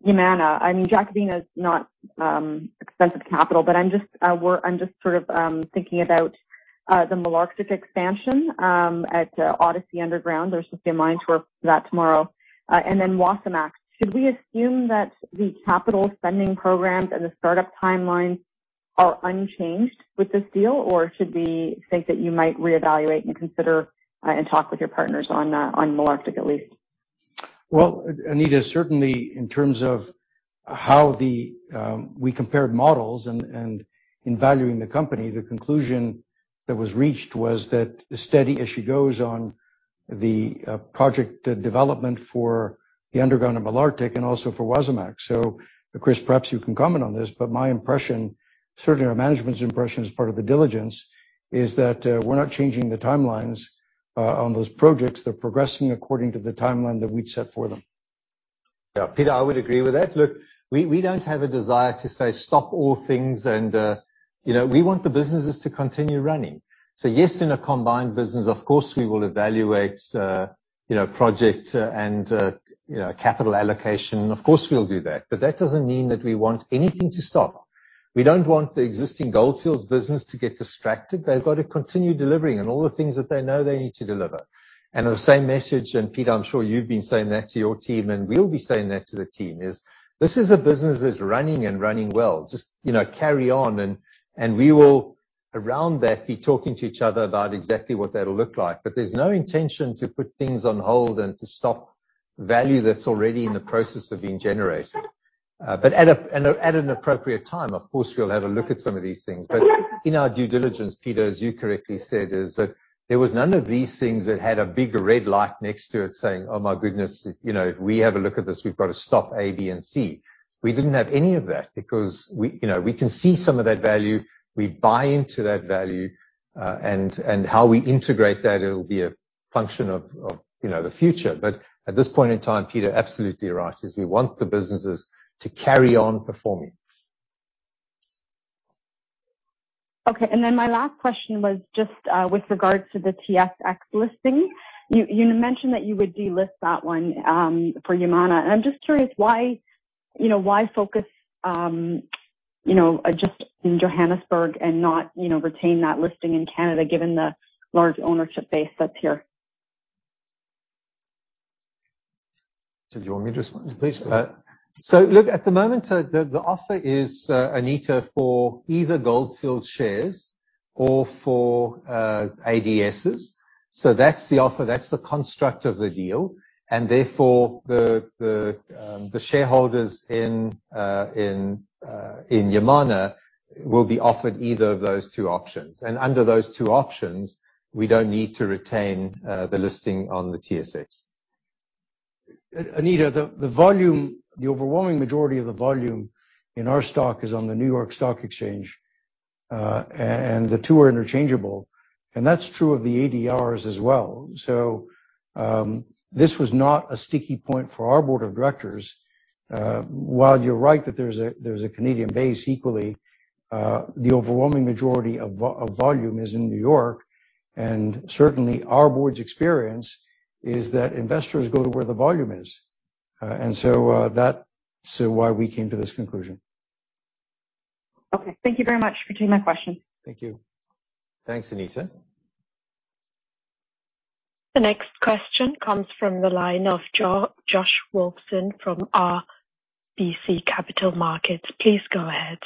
Yamana, I mean, Jacobina is not expensive capital, but I'm just sort of thinking about the Canadian Malartic expansion at Odyssey Underground. There's supposed to be a mine tour for that tomorrow. Wasamac. Should we assume that the capital spending programs and the startup timelines are unchanged with this deal? Or should we think that you might reevaluate and consider and talk with your partners on Canadian Malartic, at least? Well, Anita, certainly in terms of how we compared models and in valuing the company, the conclusion that was reached was that steady as she goes on the project development for the underground of Malartic and also for Wasamac. Chris, perhaps you can comment on this, but my impression, certainly our management's impression as part of the diligence is that we're not changing the timelines on those projects. They're progressing according to the timeline that we'd set for them. Yeah. Peter, I would agree with that. Look, we don't have a desire to say stop all things and, you know, we want the businesses to continue running. Yes, in a combined business, of course, we will evaluate, you know, project, and, you know, capital allocation. Of course, we'll do that, but that doesn't mean that we want anything to stop. We don't want the existing Gold Fields business to get distracted. They've got to continue delivering and all the things that they know they need to deliver. The same message, and Peter, I'm sure you've been saying that to your team and we'll be saying that to the team, is this is a business that's running and running well. Just, you know, carry on and we will around that, be talking to each other about exactly what that'll look like. There's no intention to put things on hold and to stop value that's already in the process of being generated. At an appropriate time, of course, we'll have a look at some of these things. In our due diligence, Peter, as you correctly said, is that there was none of these things that had a big red light next to it saying, "Oh my goodness, you know, if we have a look at this, we've got to stop A, B, and C." We didn't have any of that because we, you know, we can see some of that value. We buy into that value, and how we integrate that, it'll be a function of, you know, the future. At this point in time, Peter, absolutely right, is we want the businesses to carry on performing. Okay. My last question was just with regards to the TSX listing. You mentioned that you would delist that one for Yamana. I'm just curious why, you know, why focus you know just in Johannesburg and not, you know, retain that listing in Canada, given the large ownership base that's here? Do you want me to respond? Please. Look, at the moment, the offer is, Anita, for either Gold Fields shares or for ADSs. That's the offer, that's the construct of the deal, and therefore the shareholders in Yamana will be offered either of those two options. Under those two options, we don't need to retain the listing on the TSX. Anita, the volume, the overwhelming majority of the volume in our stock is on the New York Stock Exchange, and the two are interchangeable, and that's true of the ADRs as well. This was not a sticky point for our board of directors. While you're right that there's a Canadian base equally, the overwhelming majority of volume is in New York, and certainly our board's experience is that investors go to where the volume is. That's why we came to this conclusion. Okay. Thank you very much for taking my questions. Thank you. Thanks, Anita. The next question comes from the line of Josh Wolfson from RBC Capital Markets. Please go ahead.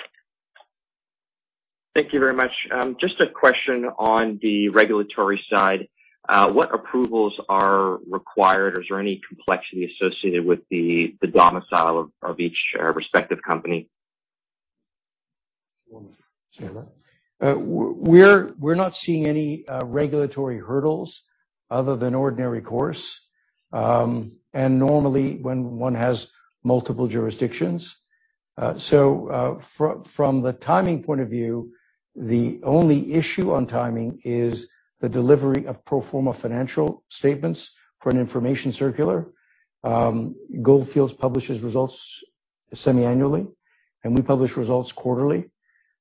Thank you very much. Just a question on the regulatory side. What approvals are required, or is there any complexity associated with the domicile of each respective company? Do you wanna share that? We're not seeing any regulatory hurdles other than ordinary course, and normally when one has multiple jurisdictions. From the timing point of view, the only issue on timing is the delivery of pro forma financial statements for an information circular. Gold Fields publishes results semi-annually, and we publish results quarterly.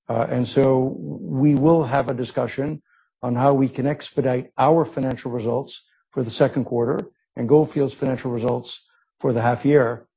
We will have a discussion on how we can expedite our financial results for the second quarter and Gold Fields' financial results for the half year,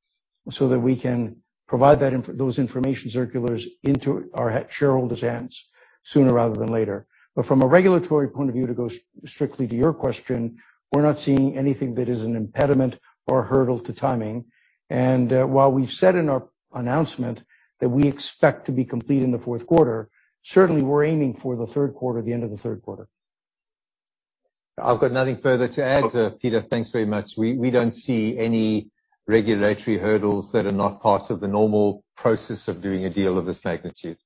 so that we can provide those information circulars into our shareholders' hands sooner rather than later. From a regulatory point of view, to go strictly to your question, we're not seeing anything that is an impediment or hurdle to timing. While we've said in our announcement that we expect to be complete in the fourth quarter, certainly we're aiming for the third quarter, the end of the third quarter. I've got nothing further to add, Peter, thanks very much. We don't see any regulatory hurdles that are not part of the normal process of doing a deal of this magnitude.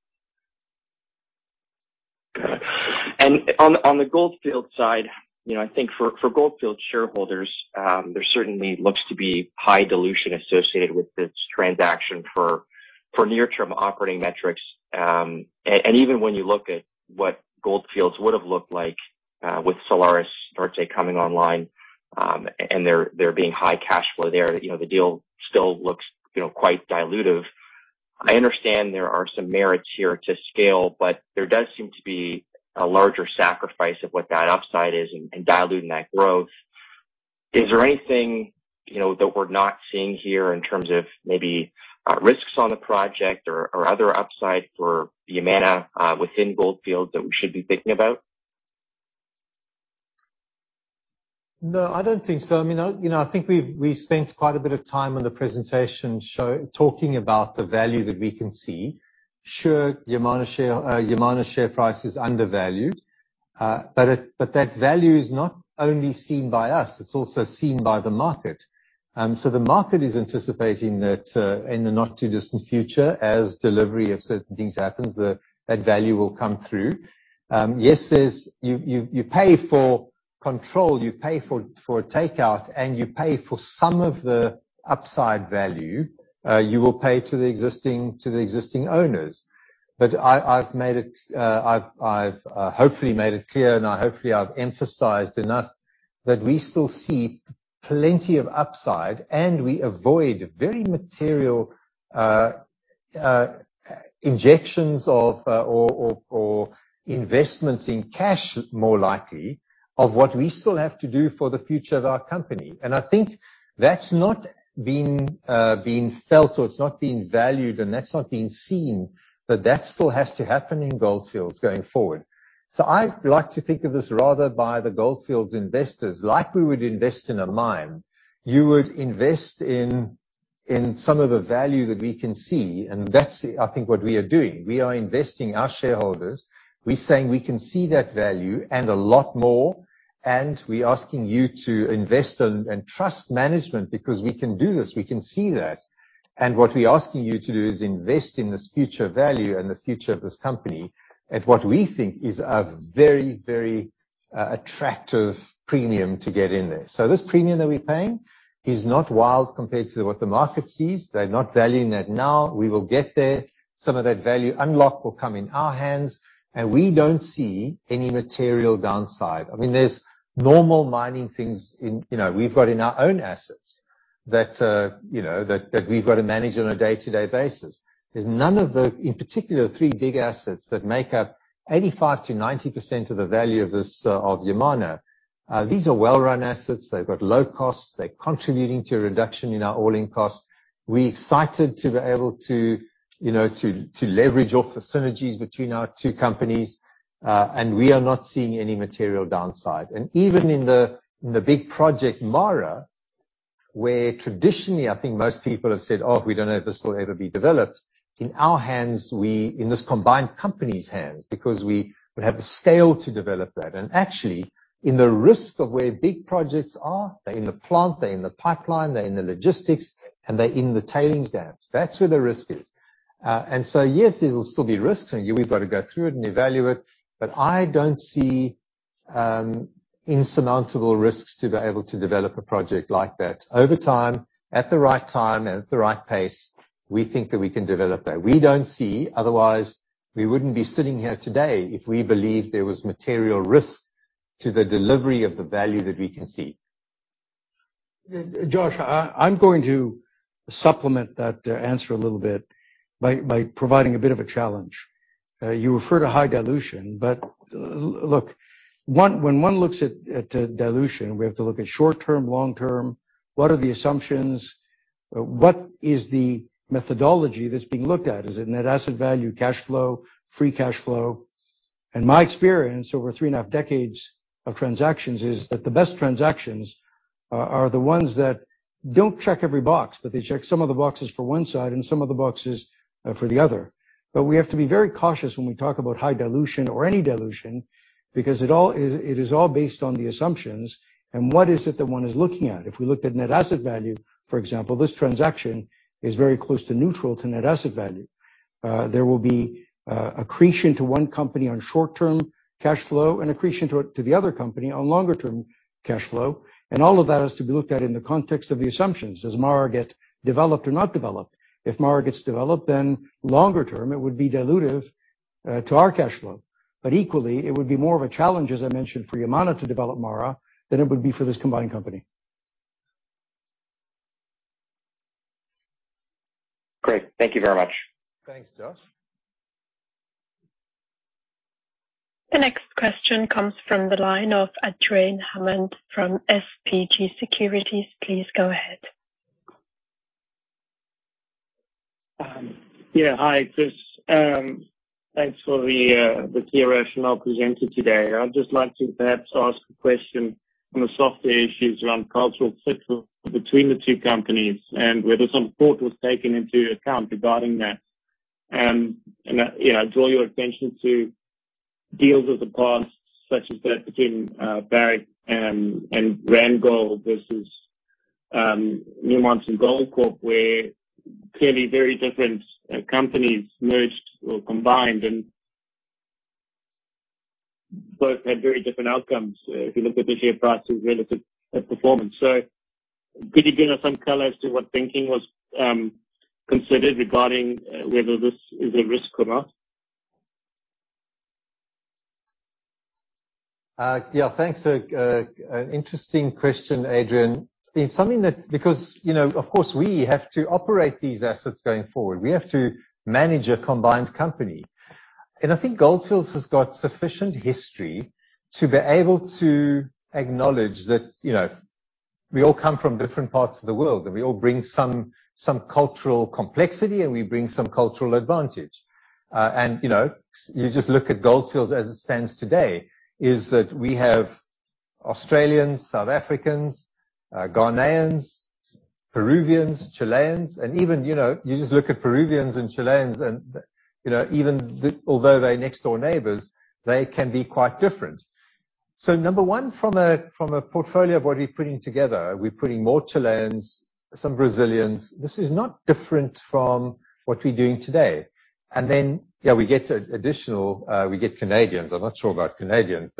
Got it. On the Gold Fields side, you know, I think for Gold Fields shareholders, there certainly looks to be high dilution associated with this transaction for near-term operating metrics. Even when you look at what Gold Fields would've looked like, with Salares Norte coming online, and there being high cash flow there, you know, the deal still looks, you know, quite dilutive. I understand there are some merits here to scale, but there does seem to be a larger sacrifice of what that upside is in diluting that growth. Is there anything, you know, that we're not seeing here in terms of maybe risks on the project or other upside for Yamana within Gold Fields that we should be thinking about? No, I don't think so. I mean, you know, I think we've spent quite a bit of time on the presentation so, talking about the value that we can see. Sure, Yamana's share price is undervalued. But that value is not only seen by us, it's also seen by the market. So the market is anticipating that in the not too distant future, as delivery of certain things happens, that value will come through. You pay for control, you pay for a takeout, and you pay for some of the upside value, you will pay to the existing owners. But I've made it. I've hopefully made it clear and I hopefully I've emphasized enough that we still see plenty of upside, and we avoid very material injections of or investments in cash, more likely, of what we still have to do for the future of our company. I think that's not been felt or it's not been valued, and that's not been seen, but that still has to happen in Gold Fields going forward. I like to think of this rather by the Gold Fields investors, like we would invest in a mine, you would invest in some of the value that we can see, and that's, I think, what we are doing. We are investing our shareholders. We're saying we can see that value and a lot more, and we're asking you to invest and trust management because we can do this, we can see that. What we're asking you to do is invest in this future value and the future of this company at what we think is a very attractive premium to get in there. This premium that we're paying is not wild compared to what the market sees. They're not valuing that now. We will get there. Some of that value unlock will come in our hands, and we don't see any material downside. I mean, there's normal mining things in, you know, we've got in our own assets that, you know, that we've got to manage on a day-to-day basis. There's none of the, in particular, three big assets that make up 85%-90% of the value of this of Yamana. These are well-run assets. They've got low costs. They're contributing to a reduction in our all-in costs. We're excited to be able to you know to leverage off the synergies between our two companies, and we are not seeing any material downside. Even in the big project Mara, where traditionally, I think most people have said, "Oh, we don't know if this will ever be developed." In our hands in this combined company's hands, because we would have the scale to develop that. Actually, in the risk of where big projects are, they're in the plant, they're in the pipeline, they're in the logistics, and they're in the tailings dams. That's where the risk is. Yes, there will still be risks, and yeah, we've got to go through it and evaluate, but I don't see insurmountable risks to be able to develop a project like that. Over time, at the right time and at the right pace, we think that we can develop that. We don't see, otherwise, we wouldn't be sitting here today if we believed there was material risk to the delivery of the value that we can see. Josh, I'm going to supplement that answer a little bit by providing a bit of a challenge. You refer to high dilution, but look, one, when one looks at dilution, we have to look at short-term, long-term, what are the assumptions? What is the methodology that's being looked at? Is it net asset value, cash flow, free cash flow? In my experience over three and a half decades of transactions is that the best transactions are the ones that don't check every box, but they check some of the boxes for one side and some of the boxes for the other. We have to be very cautious when we talk about high dilution or any dilution, because it is all based on the assumptions and what is it that one is looking at. If we looked at net asset value, for example, this transaction is very close to neutral to net asset value. There will be accretion to one company on short-term cash flow and accretion to the other company on longer term cash flow. All of that is to be looked at in the context of the assumptions. Does Mara get developed or not developed? If Mara gets developed, then longer term, it would be dilutive to our cash flow. Equally, it would be more of a challenge, as I mentioned, for Yamana to develop Mara than it would be for this combined company. Great. Thank you very much. Thanks, Josh. The next question comes from the line of Adrian Hammond from SBG Securities. Please go ahead. Yeah. Hi, Chris. Thanks for the presentation presented today. I'd just like to perhaps ask a question on the softer issues around cultural fit between the two companies and whether some thought was taken into account regarding that. You know, draw your attention to deals of the past, such as that between Barrick and Randgold versus Newmont and Goldcorp, where clearly very different companies merged or combined and both had very different outcomes, if you look at the share prices relative performance. Could you give us some color as to what thinking was considered regarding whether this is a risk or not? Yeah. Thanks. An interesting question, Adrian. I mean, something that because, you know, of course, we have to operate these assets going forward. We have to manage a combined company. I think Gold Fields has got sufficient history to be able to acknowledge that, you know, we all come from different parts of the world, and we all bring some cultural complexity, and we bring some cultural advantage. You know, you just look at Gold Fields as it stands today, is that we have Australians, South Africans, Ghanaians, Peruvians, Chileans, and even, you know, you just look at Peruvians and Chileans and, you know, although they're next-door neighbors, they can be quite different. Number one, from a portfolio of what we're putting together, we're putting more Chileans, some Brazilians. This is not different from what we're doing today. Yeah, we get additional, we get Canadians. I'm not sure about Canadians.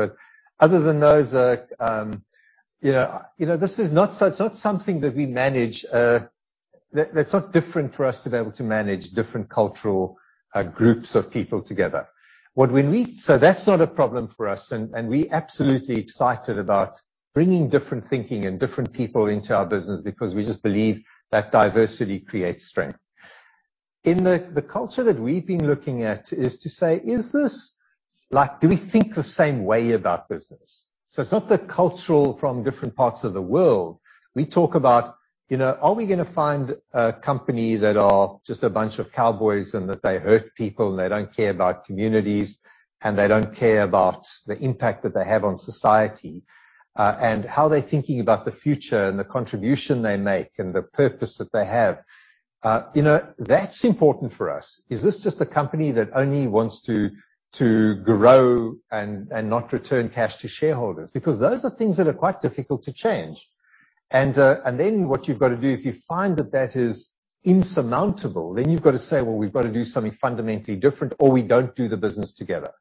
Other than those, you know, it's not something that we manage. That's not different for us to be able to manage different cultural groups of people together. That's not a problem for us. We absolutely excited about bringing different thinking and different people into our business because we just believe that diversity creates strength. In the culture that we've been looking at is to say, is this like, do we think the same way about business? It's not the cultural from different parts of the world. We talk about, you know, are we gonna find a company that are just a bunch of cowboys and that they hurt people and they don't care about communities and they don't care about the impact that they have on society, and how they're thinking about the future and the contribution they make and the purpose that they have. You know, that's important for us. Is this just a company that only wants to grow and not return cash to shareholders? Because those are things that are quite difficult to change. What you've got to do, if you find that that is insurmountable, then you've got to say, "Well, we've got to do something fundamentally different, or we don't do the business together."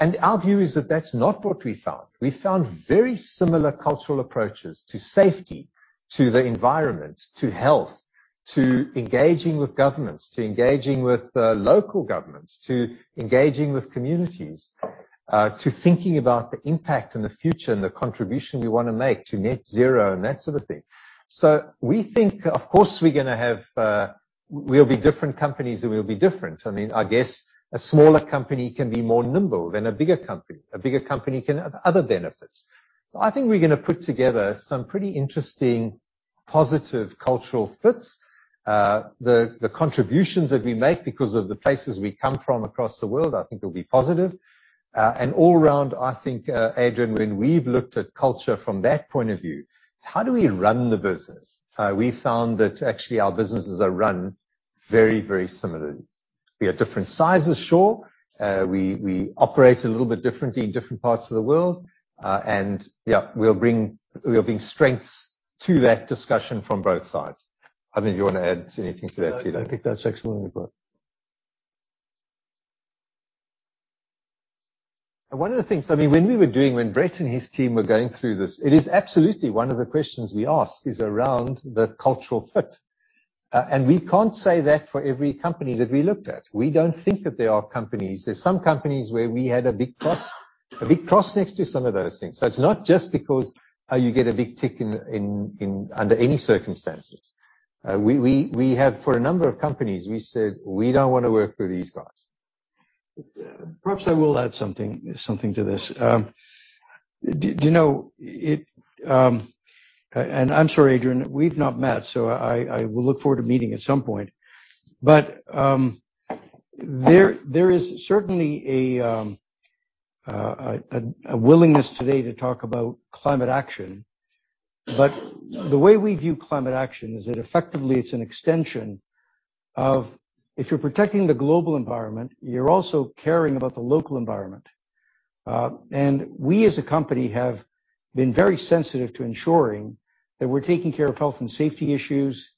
Our view is that that's not what we found. We found very similar cultural approaches to safety, to the environment, to health, to engaging with governments, to engaging with local governments, to engaging with communities, to thinking about the impact and the future and the contribution we wanna make to net zero and that sort of thing. We think, of course, we're gonna have. We'll be different companies and we'll be different. I mean, I guess a smaller company can be more nimble than a bigger company. A bigger company can have other benefits. I think we're gonna put together some pretty interesting positive cultural fits. The contributions that we make because of the places we come from across the world, I think will be positive. All around, I think, Adrian, when we've looked at culture from that point of view, how do we run the business? We found that actually our businesses are run very, very similarly. We are different sizes, sure. We operate a little bit differently in different parts of the world. Yeah, we'll bring strengths to that discussion from both sides. I don't know if you wanna add anything to that, Peter. I think that's excellent, Chris. One of the things, I mean, when Brett and his team were going through this, it is absolutely one of the questions we ask is around the cultural fit. We can't say that for every company that we looked at. We don't think that there are companies. There's some companies where we had a big cross next to some of those things. It's not just because you get a big tick in under any circumstances. We have for a number of companies, we said, "We don't wanna work with these guys." Perhaps I will add something to this. Do you know it? I'm sorry, Adrian, we've not met, so I will look forward to meeting at some point. There is certainly a willingness today to talk about climate action. The way we view climate action is that effectively it's an extension of if you're protecting the global environment, you're also caring about the local environment. We as a company have been very sensitive to ensuring that we're taking care of health and safety issues,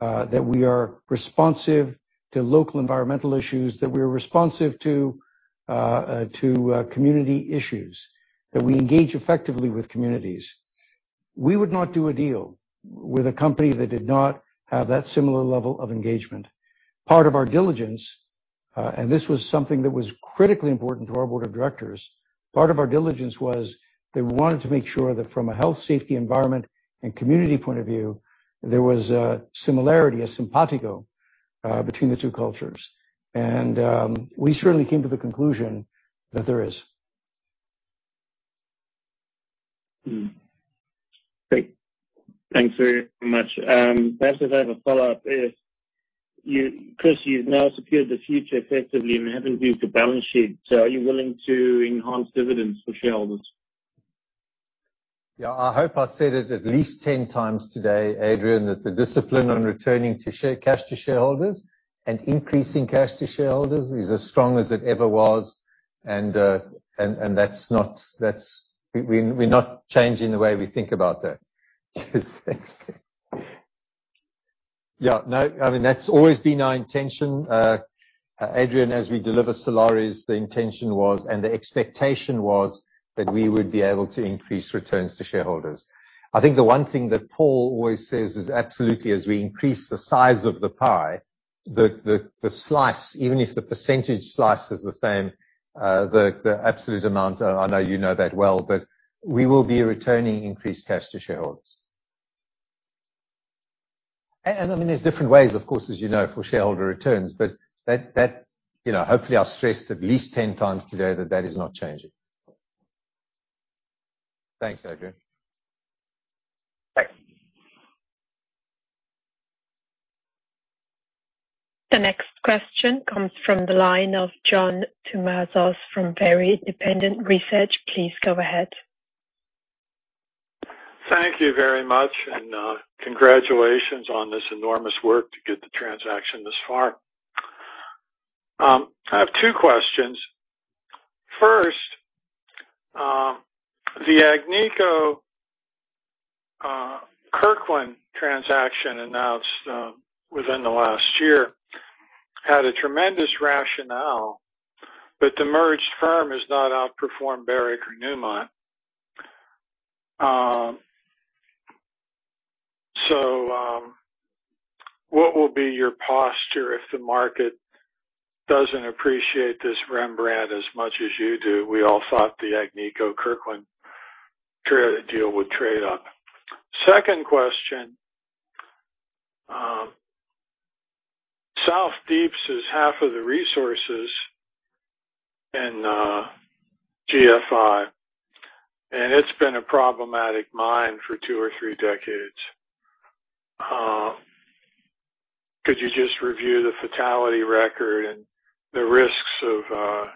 that we are responsive to local environmental issues, that we are responsive to community issues, that we engage effectively with communities. We would not do a deal with a company that did not have that similar level of engagement. Part of our diligence, and this was something that was critically important to our board of directors, part of our diligence was they wanted to make sure that from a health, safety, environment, and community point of view, there was a similarity, a simpatico, between the two cultures. We certainly came to the conclusion that there is. Great. Thanks very much. Perhaps if I have a follow-up, Chris, you've now secured the future effectively and haven't abused the balance sheet. Are you willing to enhance dividends for shareholders? Yeah. I hope I said it at least 10 times today, Adrian, that the discipline on returning to share cash to shareholders and increasing cash to shareholders is as strong as it ever was, and that's not. That's. We're not changing the way we think about that. Thanks. Yeah. No, I mean, that's always been our intention. Adrian, as we deliver Salares, the intention was and the expectation was that we would be able to increase returns to shareholders. I think the one thing that Paul always says is absolutely, as we increase the size of the pie, the slice, even if the percentage slice is the same, the absolute amount, I know you know that well, but we will be returning increased cash to shareholders. I mean, there's different ways, of course, as you know, for shareholder returns, but that, you know, hopefully, I've stressed at least 10 times today that is not changing. Thanks, Adrian. Thanks. The next question comes from the line of John Tumazos from John Tumazos Very Independent Research. Please go ahead. Thank you very much, and congratulations on this enormous work to get the transaction this far. I have two questions. First, the Agnico Kirkland transaction announced within the last year had a tremendous rationale, but the merged firm has not outperformed Barrick or Newmont. What will be your posture if the market doesn't appreciate this Rembrandt as much as you do? We all thought the Agnico Kirkland deal would trade up. Second question. South Deep is half of the resources in GFI, and it's been a problematic mine for two or three decades. Could you just review the fatality record and the risks of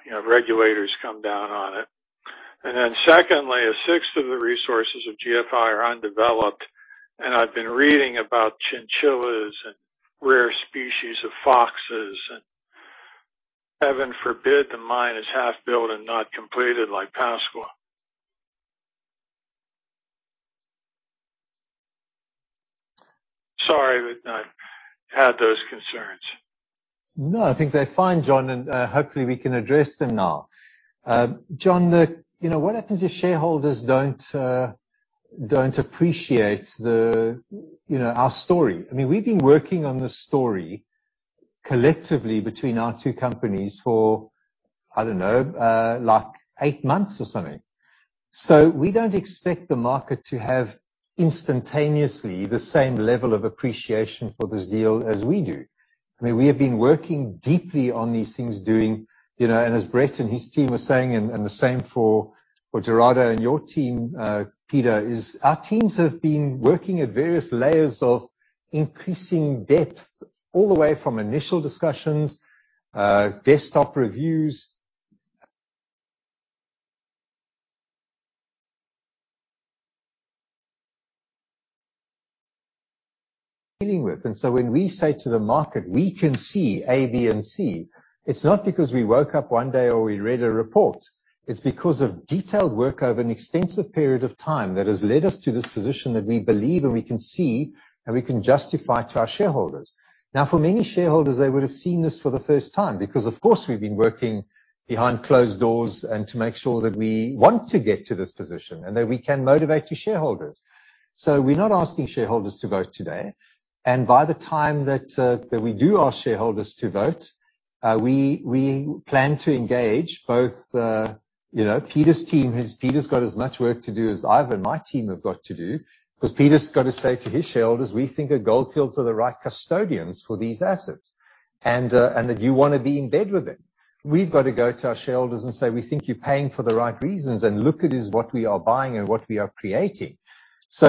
you know, regulators come down on it. Secondly, a sixth of the resources of GFI are undeveloped, and I've been reading about chinchillas and rare species of foxes. Heaven forbid, the mine is half built and not completed like Pascua-Lama. Sorry, but I had those concerns. No, I think they're fine, John, and hopefully we can address them now. John, you know, what happens if shareholders don't appreciate the, you know, our story? I mean, we've been working on this story collectively between our two companies for, I don't know, like eight months or something. We don't expect the market to have instantaneously the same level of appreciation for this deal as we do. I mean, we have been working deeply on these things, doing, you know, and as Brett and his team are saying, and the same for Gerardo and your team, Peter, is our teams have been working at various layers of increasing depth all the way from initial discussions, desktop reviews. When we say to the market, we can see A, B, and C, it's not because we woke up one day or we read a report. It's because of detailed work over an extensive period of time that has led us to this position that we believe and we can see and we can justify to our shareholders. Now, for many shareholders, they would have seen this for the first time because, of course, we've been working behind closed doors and to make sure that we want to get to this position and that we can motivate the shareholders. We're not asking shareholders to vote today. By the time that we do ask shareholders to vote, we plan to engage both. You know, Peter's team has Peter's got as much work to do as I've and my team have got to do, 'cause Peter's got to say to his shareholders, "We think that Gold Fields are the right custodians for these assets, and that you wanna be in bed with them." We've got to go to our shareholders and say, "We think you're paying for the right reasons, and look at this, what we are buying and what we are creating."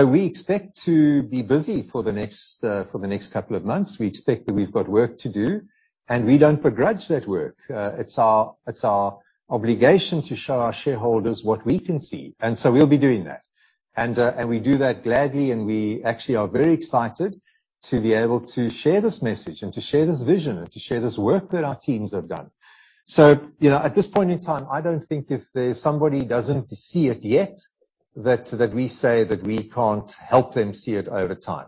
We expect to be busy for the next couple of months. We expect that we've got work to do, and we don't begrudge that work. It's our obligation to show our shareholders what we can see, and we'll be doing that. We do that gladly, and we actually are very excited to be able to share this message, and to share this vision, and to share this work that our teams have done. You know, at this point in time, I don't think if there's somebody who doesn't see it yet, that we say that we can't help them see it over time.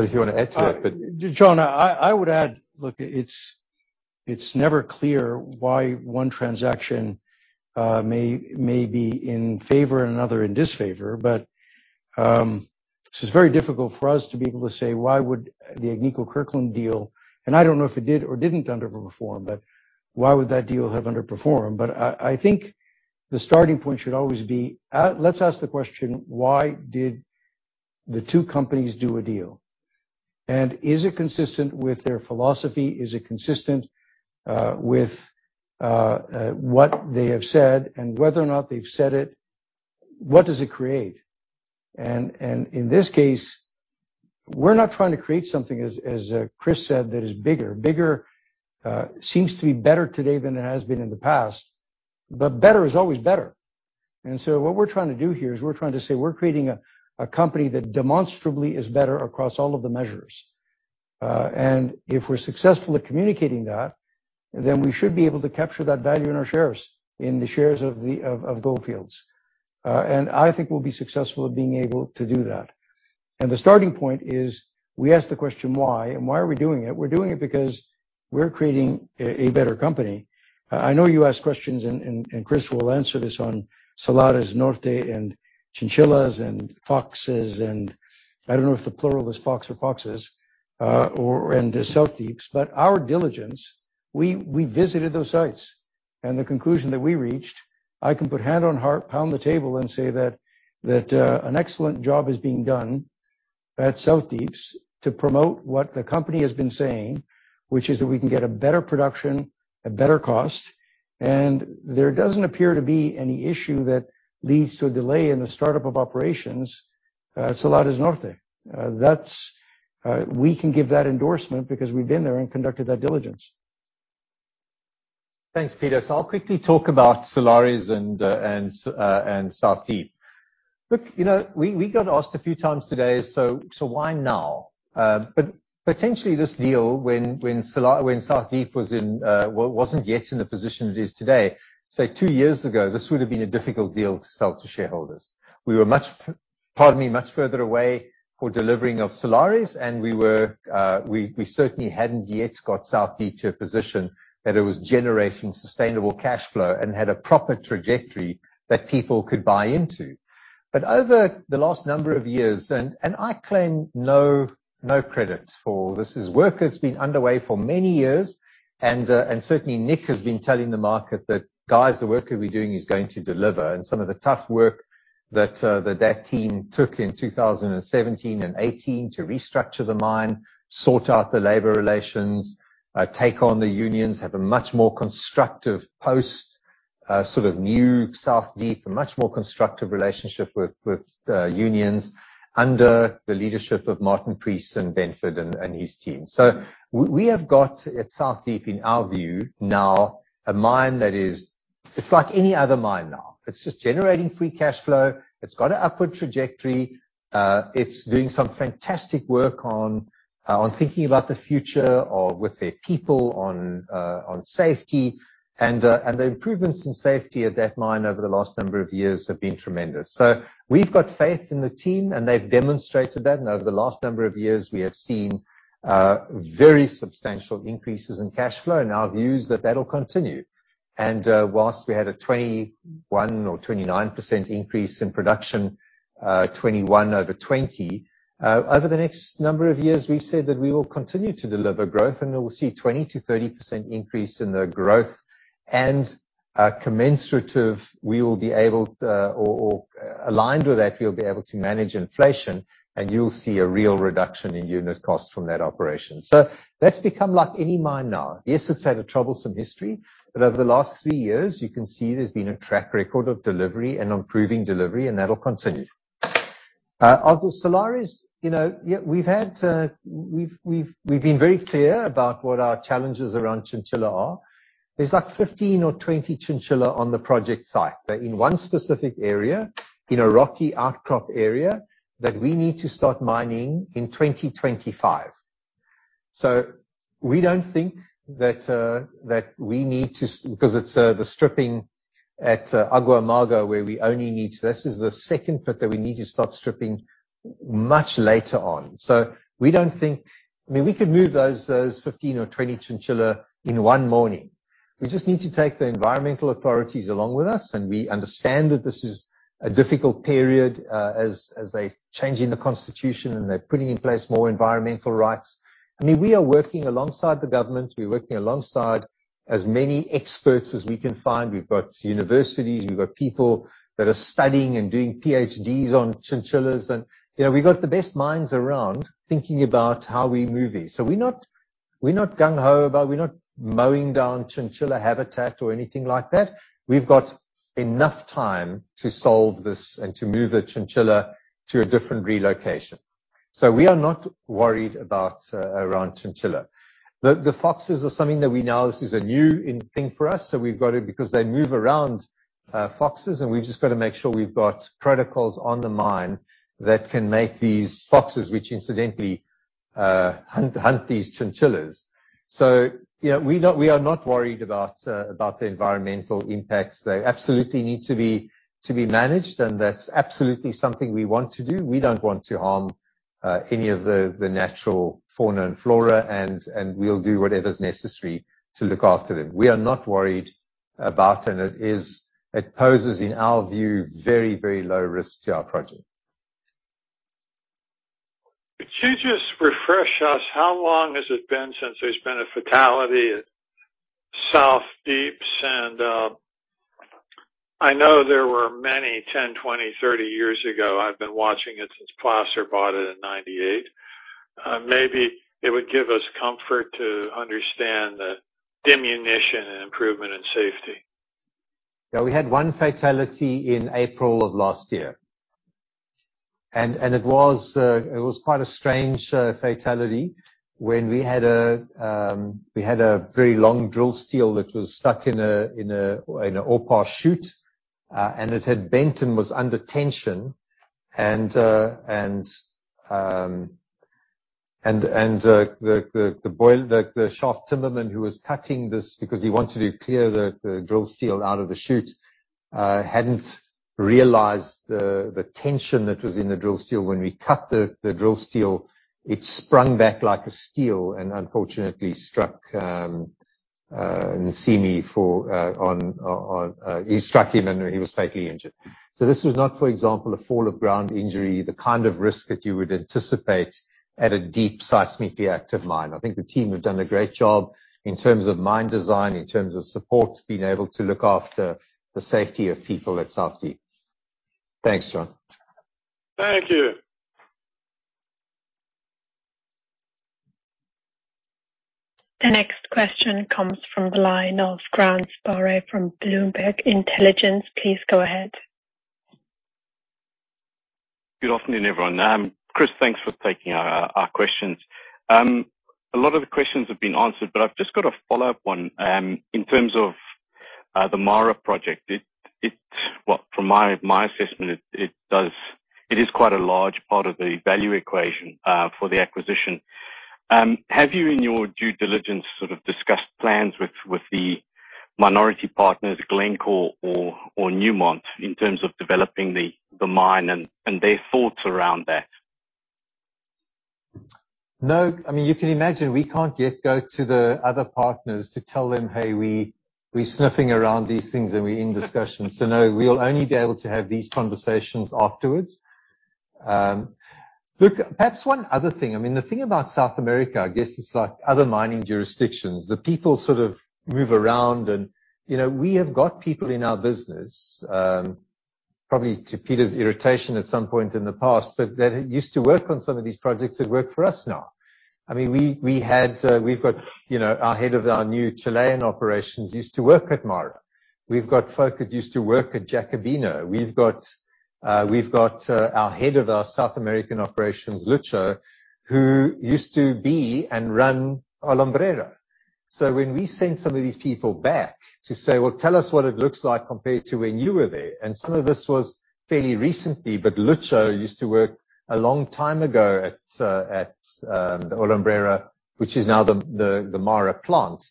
If you wanna add to that. John, I would add. Look, it's never clear why one transaction may be in favor and another in disfavor. It's very difficult for us to be able to say, why would the Agnico Kirkland deal, and I don't know if it did or didn't underperform, but why would that deal have underperformed? I think the starting point should always be let's ask the question, why did the two companies do a deal? Is it consistent with their philosophy? Is it consistent with what they have said and whether or not they've said it? What does it create? In this case, we're not trying to create something, as Chris said, that is bigger. Bigger seems to be better today than it has been in the past. Better is always better. What we're trying to do here is we're trying to say we're creating a company that demonstrably is better across all of the measures. If we're successful at communicating that, then we should be able to capture that value in our shares, in the shares of Gold Fields. I think we'll be successful at being able to do that. The starting point is we ask the question why, and why are we doing it? We're doing it because we're creating a better company. I know you asked questions, and Chris will answer this on Salares Norte and chinchillas and foxes, and I don't know if the plural is fox or foxes, and the South Deep. Our diligence, we visited those sites. The conclusion that we reached, I can put hand on heart, pound the table, and say that an excellent job is being done at South Deeps to promote what the company has been saying, which is that we can get a better production at better cost. There doesn't appear to be any issue that leads to a delay in the startup of operations at Salares Norte. We can give that endorsement because we've been there and conducted that diligence. Thanks, Peter. I'll quickly talk about Salares and South Deep. Look, we got asked a few times today, so why now? Potentially this deal when South Deep wasn't yet in the position it is today. Say two years ago, this would have been a difficult deal to sell to shareholders. We were much further away from delivering Salares, and we certainly hadn't yet got South Deep to a position that it was generating sustainable cash flow and had a proper trajectory that people could buy into. Over the last number of years, and I claim no credit for this. This work has been underway for many years, and certainly Nick has been telling the market that, "Guys, the work that we're doing is going to deliver." Some of the tough work that team took in 2017 and 2018 to restructure the mine, sort out the labor relations, take on the unions. A much more constructive relationship with unions under the leadership of Martin Preece and Benford and his team. We have got at South Deep, in our view now, a mine that is like any other mine now. It's just generating free cash flow. It's got an upward trajectory. It's doing some fantastic work on thinking about the future with their people on safety. The improvements in safety at that mine over the last number of years have been tremendous. We've got faith in the team, and they've demonstrated that. Over the last number of years, we have seen very substantial increases in cash flow, and our view is that that'll continue. While we had a 21% or 29% increase in production, 2021 over 2020, over the next number of years, we've said that we will continue to deliver growth, and we'll see 20%-30% increase in the growth. Commensurate, we will be able to, or aligned with that, we'll be able to manage inflation, and you'll see a real reduction in unit cost from that operation. That's become like any mine now. Yes, it's had a troublesome history, but over the last three years, you can see there's been a track record of delivery and improving delivery, and that'll continue. Of the Salares Norte, you know, yeah, we've been very clear about what our challenges around chinchilla are. There's like 15 or 20 chinchilla on the project site, but in one specific area, in a rocky outcrop area that we need to start mining in 2025. We don't think that we need to 'cause it's the stripping at Agua Amarga where we only need to. This is the second pit that we need to start stripping much later on. We don't think. I mean, we could move those 15 or 20 chinchilla in one morning. We just need to take the environmental authorities along with us, and we understand that this is a difficult period, as they're changing the constitution and they're putting in place more environmental rights. I mean, we are working alongside the government. We're working alongside as many experts as we can find. We've got universities, we've got people that are studying and doing PhDs on chinchillas and, you know, we've got the best minds around thinking about how we move these. We're not gung ho about it. We're not mowing down chinchilla habitat or anything like that. We've got enough time to solve this and to move the chinchilla to a different relocation. We are not worried about around chinchilla. The foxes are something that we know. This is a new thing for us, so we've got to, because they move around, foxes, and we've just gotta make sure we've got protocols on the mine that can manage these foxes, which incidentally hunt these chinchillas. You know, we are not worried about the environmental impacts. They absolutely need to be managed, and that's absolutely something we want to do. We don't want to harm any of the natural fauna and flora, and we'll do whatever's necessary to look after them. We are not worried about it, and it poses, in our view, very, very low risk to our project. Could you just refresh us how long has it been since there's been a fatality at South Deep? I know there were many, 10, 20, 30 years ago. I've been watching it since Placer bought it in 1998. Maybe it would give us comfort to understand the diminution and improvement in safety. Yeah. We had one fatality in April of last year. It was quite a strange fatality when we had a very long drill steel that was stuck in an ore pass chute, and it had bent and was under tension. The shaft timberman who was cutting this because he wanted to clear the drill steel out of the chute hadn't realized the tension that was in the drill steel. When we cut the drill steel, it sprung back like a steel and unfortunately struck [Nasimi and he was fatally injured. This was not, for example, a fall of ground injury, the kind of risk that you would anticipate at a deep seismically active mine. I think the team have done a great job in terms of mine design, in terms of support, being able to look after the safety of people at South Deep. Thanks, John. Thank you. The next question comes from the line of Grant Sporre from Bloomberg Intelligence. Please go ahead. Good afternoon, everyone. Chris, thanks for taking our questions. A lot of the questions have been answered, but I've just got a follow-up one, in terms of the Mara project. Well, from my assessment, it is quite a large part of the value equation for the acquisition. Have you, in your due diligence, sort of discussed plans with the minority partners, Glencore or Newmont, in terms of developing the mine and their thoughts around that? No. I mean, you can imagine we can't yet go to the other partners to tell them, "Hey, we're sniffing around these things and we're in discussions." No, we'll only be able to have these conversations afterwards. Look, perhaps one other thing, I mean, the thing about South America, I guess it's like other mining jurisdictions. The people sort of move around and, you know, we have got people in our business, probably to Peter Marrone's irritation at some point in the past, but that used to work on some of these projects that work for us now. I mean, we had, we've got, you know, our head of our new Chilean operations used to work at Mara. We've got folk that used to work at Jacobina. We've got our head of our South American operations, Lucho, who used to run Alumbrera. When we send some of these people back to say, "Well, tell us what it looks like compared to when you were there." Some of this was fairly recently, but Lucho used to work a long time ago at Alumbrera, which is now the Minera plant.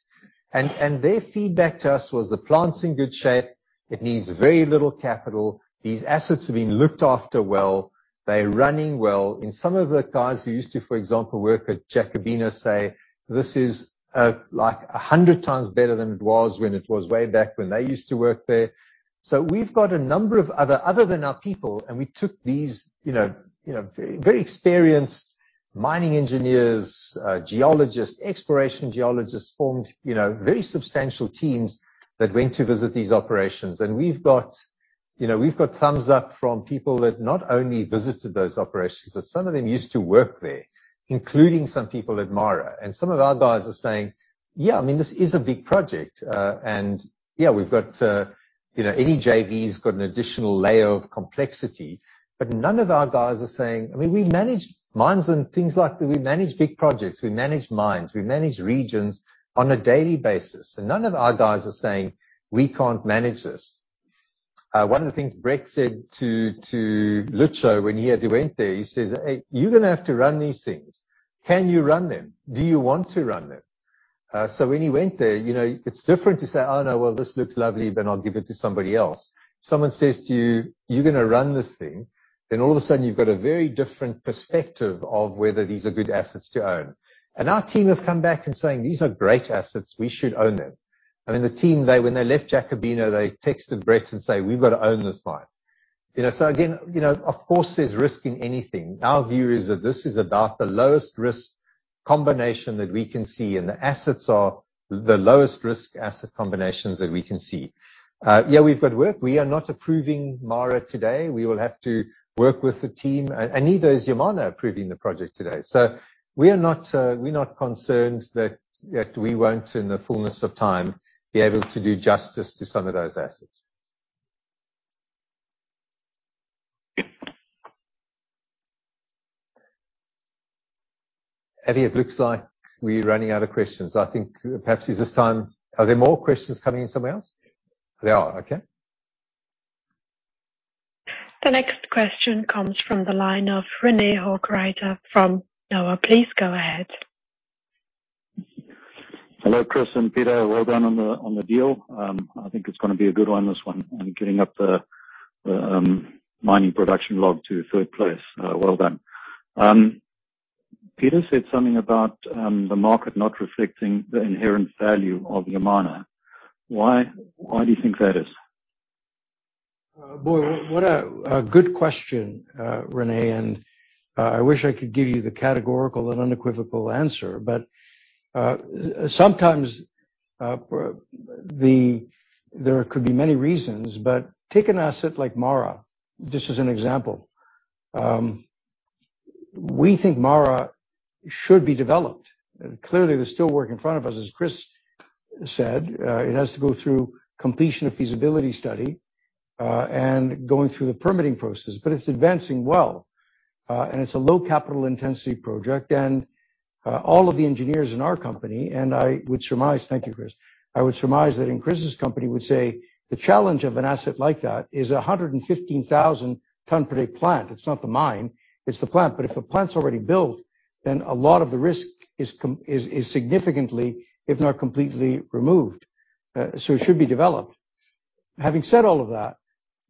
Their feedback to us was the plant's in good shape. It needs very little capital. These assets have been looked after well. They're running well. Some of the guys who used to, for example, work at Jacobina say, this is like 100 times better than it was when it was way back when they used to work there. We've got a number of other than our people, and we took these you know very experienced mining engineers, geologists, exploration geologists formed you know very substantial teams that went to visit these operations. We've got you know thumbs up from people that not only visited those operations, but some of them used to work there, including some people at Mara. Some of our guys are saying, "Yeah, I mean, this is a big project." Yeah, we've got you know any JVs got an additional layer of complexity. None of our guys are saying. I mean, we manage mines and things like that. We manage big projects, we manage mines, we manage regions on a daily basis. None of our guys are saying, "We can't manage this." One of the things Brett said to Lucho when he had went there, he says, "Hey, you're gonna have to run these things. Can you run them? Do you want to run them?" When you went there, you know, it's different to say, "Oh, no. Well, this looks lovely, then I'll give it to somebody else." Someone says to you, "You're gonna run this thing." then all of a sudden you've got a very different perspective of whether these are good assets to own. Our team have come back and saying, "These are great assets. We should own them." I mean, the team, when they left Jacobina, they texted Brett and say, "We've got to own this mine." You know, so again, you know, of course there's risk in anything. Our view is that this is about the lowest risk combination that we can see, and the assets are the lowest risk asset combinations that we can see. We've got work. We are not approving the merger today. We will have to work with the team. Neither is Yamana approving the project today. We're not concerned that we won't, in the fullness of time, be able to do justice to some of those assets. Eddie, it looks like we're running out of questions. I think perhaps it's time. Are there more questions coming in somewhere else? There are. Okay. The next question comes from the line of Rene Hochreiter from Noah. Please go ahead. Hello, Chris and Peter. Well done on the deal. I think it's gonna be a good one, this one, and getting up the mining production league to third place. Well done. Peter said something about the market not reflecting the inherent value of Yamana. Why do you think that is? Boy, what a good question, Rene, and I wish I could give you the categorical and unequivocal answer. Sometimes, there could be many reasons, but take an asset like Mara, just as an example. We think Mara should be developed. Clearly, there's still work in front of us. As Chris said, it has to go through completion of feasibility study and going through the permitting process, but it's advancing well. It's a low capital intensity project. All of the engineers in our company, and I would surmise, thank you, Chris, that in Chris's company would say the challenge of an asset like that is a 115,000 ton per day plant. It's not the mine, it's the plant. If the plant's already built, then a lot of the risk is significantly, if not completely removed, so it should be developed. Having said all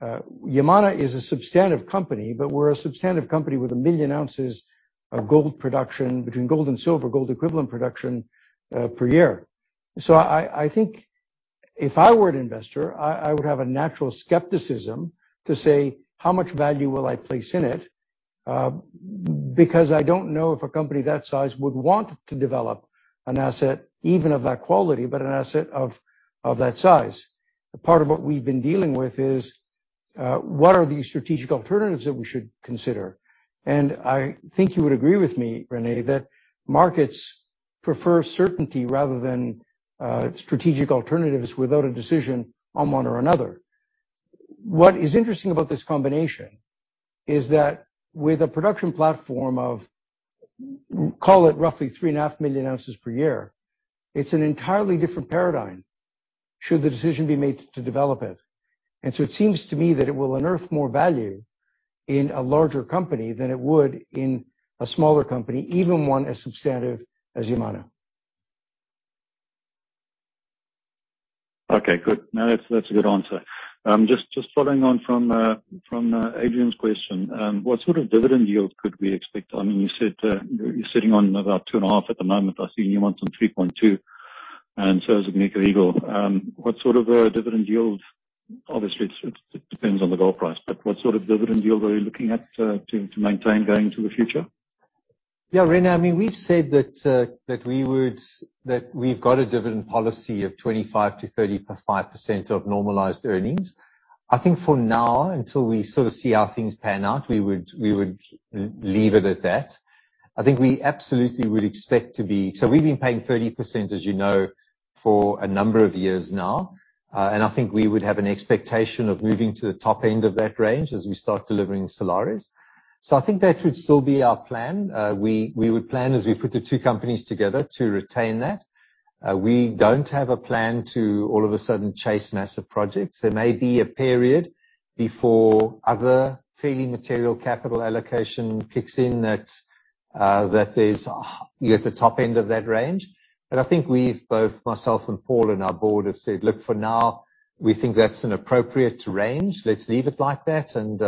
of that, Yamana is a substantive company, but we're a substantive company with 1 million ounces of gold production between gold and silver, gold equivalent production, per year. I think if I were an investor, I would have a natural skepticism to say, how much value will I place in it? Because I don't know if a company that size would want to develop an asset even of that quality, but an asset of that size. Part of what we've been dealing with is what are the strategic alternatives that we should consider. I think you would agree with me, Rene, that markets prefer certainty rather than strategic alternatives without a decision on one or another. What is interesting about this combination is that with a production platform of, call it, roughly 3.5 million ounces per year, it's an entirely different paradigm, should the decision be made to develop it. It seems to me that it will unearth more value in a larger company than it would in a smaller company, even one as substantive as Yamana. Okay, good. No, that's a good answer. Just following on from Adrian's question, what sort of dividend yield could we expect? I mean, you said you're sitting on about 2.5% at the moment. I've seen Yamana on 3.2%, and so is Agnico Eagle. What sort of a dividend yield? Obviously, it depends on the gold price, but what sort of dividend yield are you looking at to maintain going into the future? Yeah. Rene, I mean, we've said that that we've got a dividend policy of 25%-35% of normalized earnings. I think for now, until we sort of see how things pan out, we would leave it at that. I think we absolutely would expect to be. We've been paying 30%, as you know, for a number of years now. I think we would have an expectation of moving to the top end of that range as we start delivering Salares. I think that would still be our plan. We would plan as we put the two companies together to retain that. We don't have a plan to all of a sudden chase massive projects. There may be a period before other fairly material capital allocation kicks in that is, you know, at the top end of that range. I think we've, both myself and Paul and our board, have said, "Look, for now, we think that's an appropriate range. Let's leave it like that and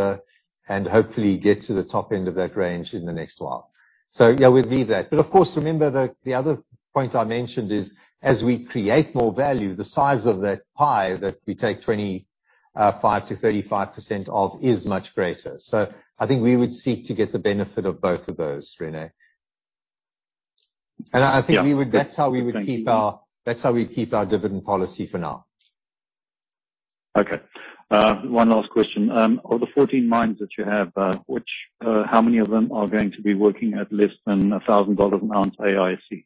hopefully get to the top end of that range in the next while." Yeah, we'd leave that. Of course, remember the other point I mentioned is, as we create more value, the size of that pie that we take 25%-35% of is much greater. I think we would seek to get the benefit of both of those, Rene. Yeah. That's how we would keep our- Thank you. That's how we keep our dividend policy for now. Okay. One last question. Of the 14 mines that you have, how many of them are going to be working at less than $1,000 an ounce AISC?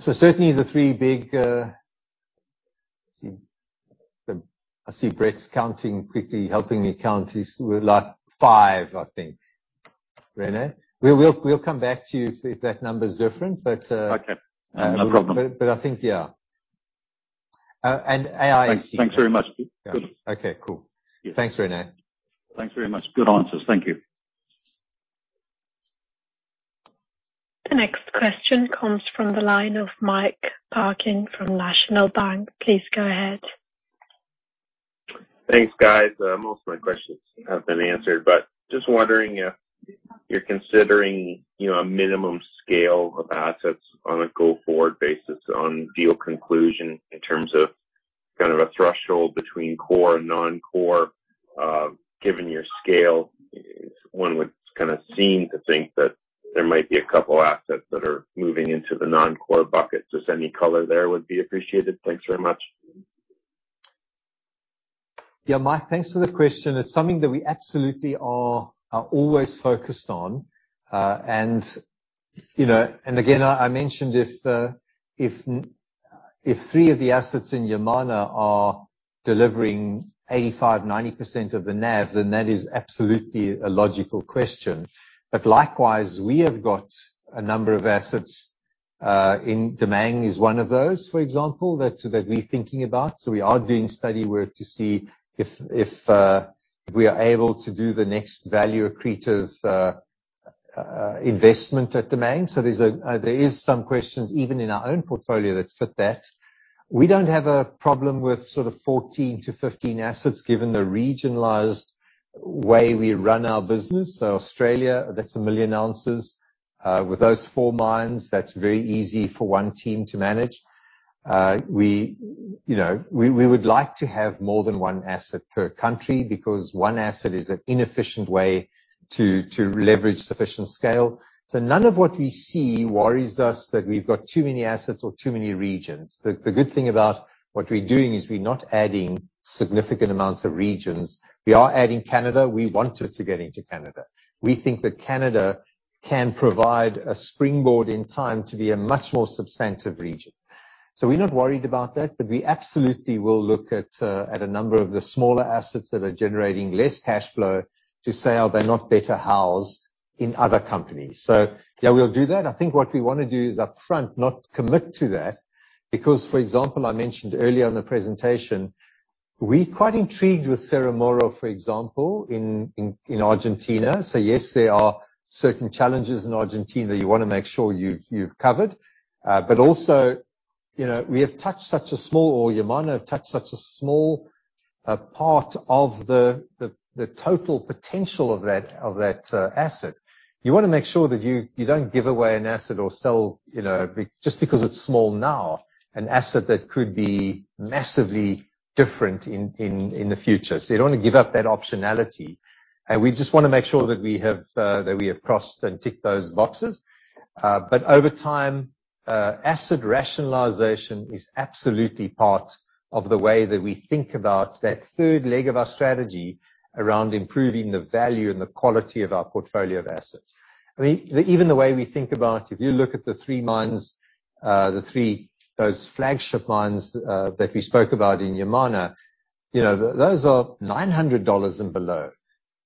Certainly the three big. Let's see. I see Brett's counting quickly, helping me count. He's like, "Five, I think." Rene? We'll come back to you if that number is different, but. Okay. No problem. I think, yeah. AISC. Thanks. Thanks very much, Chris. Good. Okay, cool. Yes. Thanks, Rene. Thanks very much. Good answers. Thank you. The next question comes from the line of Mike Parkin from National Bank. Please go ahead. Thanks, guys. Most of my questions have been answered. Just wondering if you're considering, you know, a minimum scale of assets on a go-forward basis on deal conclusion in terms of kind of a threshold between core and non-core, given your scale. One would kinda seem to think that there might be a couple assets that are moving into the non-core bucket. Just any color there would be appreciated. Thanks very much. Yeah. Mike, thanks for the question. It's something that we absolutely are always focused on. You know, again, I mentioned if three of the assets in Yamana are delivering 85%-90% of the NAV, then that is absolutely a logical question. Likewise, we have got a number of assets. Damang is one of those, for example, that we're thinking about. We are doing study work to see if we are able to do the next value-accretive investment at Damang. There is some questions even in our own portfolio that fit that. We don't have a problem with sort of 14 to 15 asset s, given the regionalized way we run our business. Australia, that's 1 million ounces. With those four mines, that's very easy for one team to manage. We, you know, we would like to have more than one asset per country because one asset is an inefficient way to leverage sufficient scale. None of what we see worries us that we've got too many assets or too many regions. The good thing about what we're doing is we're not adding significant amounts of regions. We are adding Canada. We wanted to get into Canada. We think that Canada can provide a springboard in time to be a much more substantive region. We're not worried about that, but we absolutely will look at a number of the smaller assets that are generating less cash flow to say, "Are they not better housed in other companies?" Yeah, we'll do that. I think what we wanna do is upfront not commit to that because, for example, I mentioned earlier in the presentation, we're quite intrigued with Cerro Moro, for example, in Argentina. Yes, there are certain challenges in Argentina you wanna make sure you've covered. But also, you know, we have touched such a small, or Yamana have touched such a small part of the total potential of that asset. You wanna make sure that you don't give away an asset or sell, you know, because it's small now, an asset that could be massively different in the future. You don't wanna give up that optionality. We just wanna make sure that we have crossed and ticked those boxes. Over time, asset rationalization is absolutely part of the way that we think about that third leg of our strategy around improving the value and the quality of our portfolio of assets. I mean, even the way we think about, if you look at the three mines, those flagship mines, that we spoke about in Yamana, you know, those are $900 and below.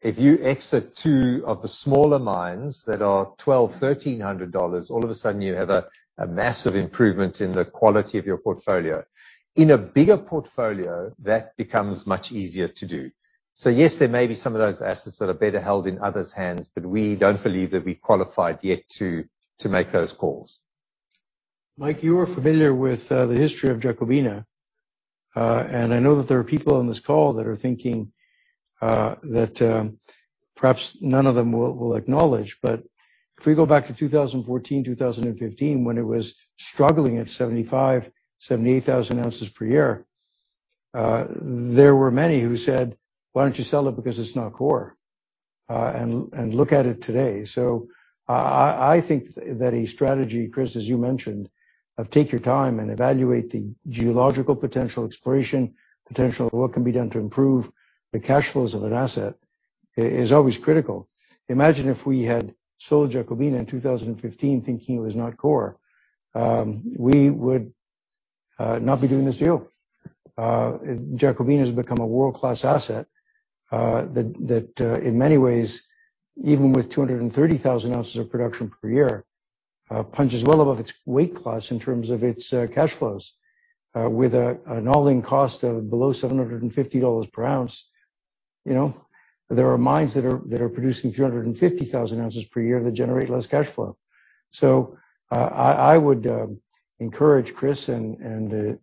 If you exit two of the smaller mines that are $1,200-$1,300, all of a sudden you have a massive improvement in the quality of your portfolio. In a bigger portfolio, that becomes much easier to do. Yes, there may be some of those assets that are better held in others' hands, but we don't believe that we're qualified yet to make those calls. Mike, you are familiar with the history of Jacobina. I know that there are people on this call that are thinking that perhaps none of them will acknowledge. If we go back to 2014, 2015, when it was struggling at 75,000-78,000 ounces per year, there were many who said, "Why don't you sell it because it's not core?" Look at it today. I think that a strategy, Chris, as you mentioned, of take your time and evaluate the geological potential, exploration potential, what can be done to improve the cash flows of an asset is always critical. Imagine if we had sold Jacobina in 2015, thinking it was not core. We would not be doing this deal. Jacobina has become a world-class asset that in many ways, even with 230,000 ounces of production per year, punches well above its weight class in terms of its cash flows. With an all-in cost of below $750 per ounce, you know, there are mines that are producing 350,000 ounces per year that generate less cash flow. I would encourage Chris and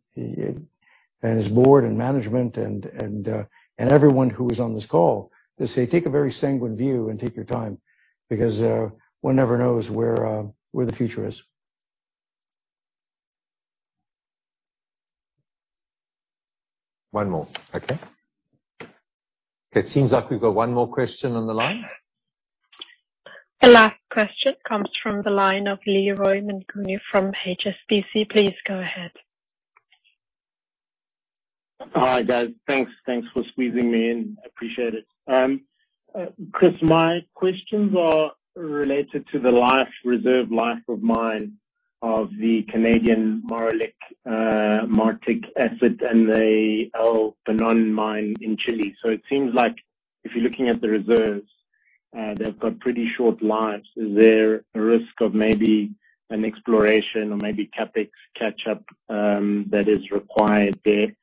his board and management and everyone who is on this call to say, "Take a very sanguine view and take your time," because one never knows where the future is. One more. Okay. It seems like we've got one more question on the line. The last question comes from the line of Leroy Mnguni from HSBC. Please go ahead. All right, guys. Thanks. Thanks for squeezing me in. I appreciate it. Chris, my questions are related to the reserve life of mine of the Canadian Malartic asset and the El Peñón mine in Chile. It seems like if you're looking at the reserves, they've got pretty short lives. Is there a risk of maybe an exploration or maybe CapEx catch-up that is required there?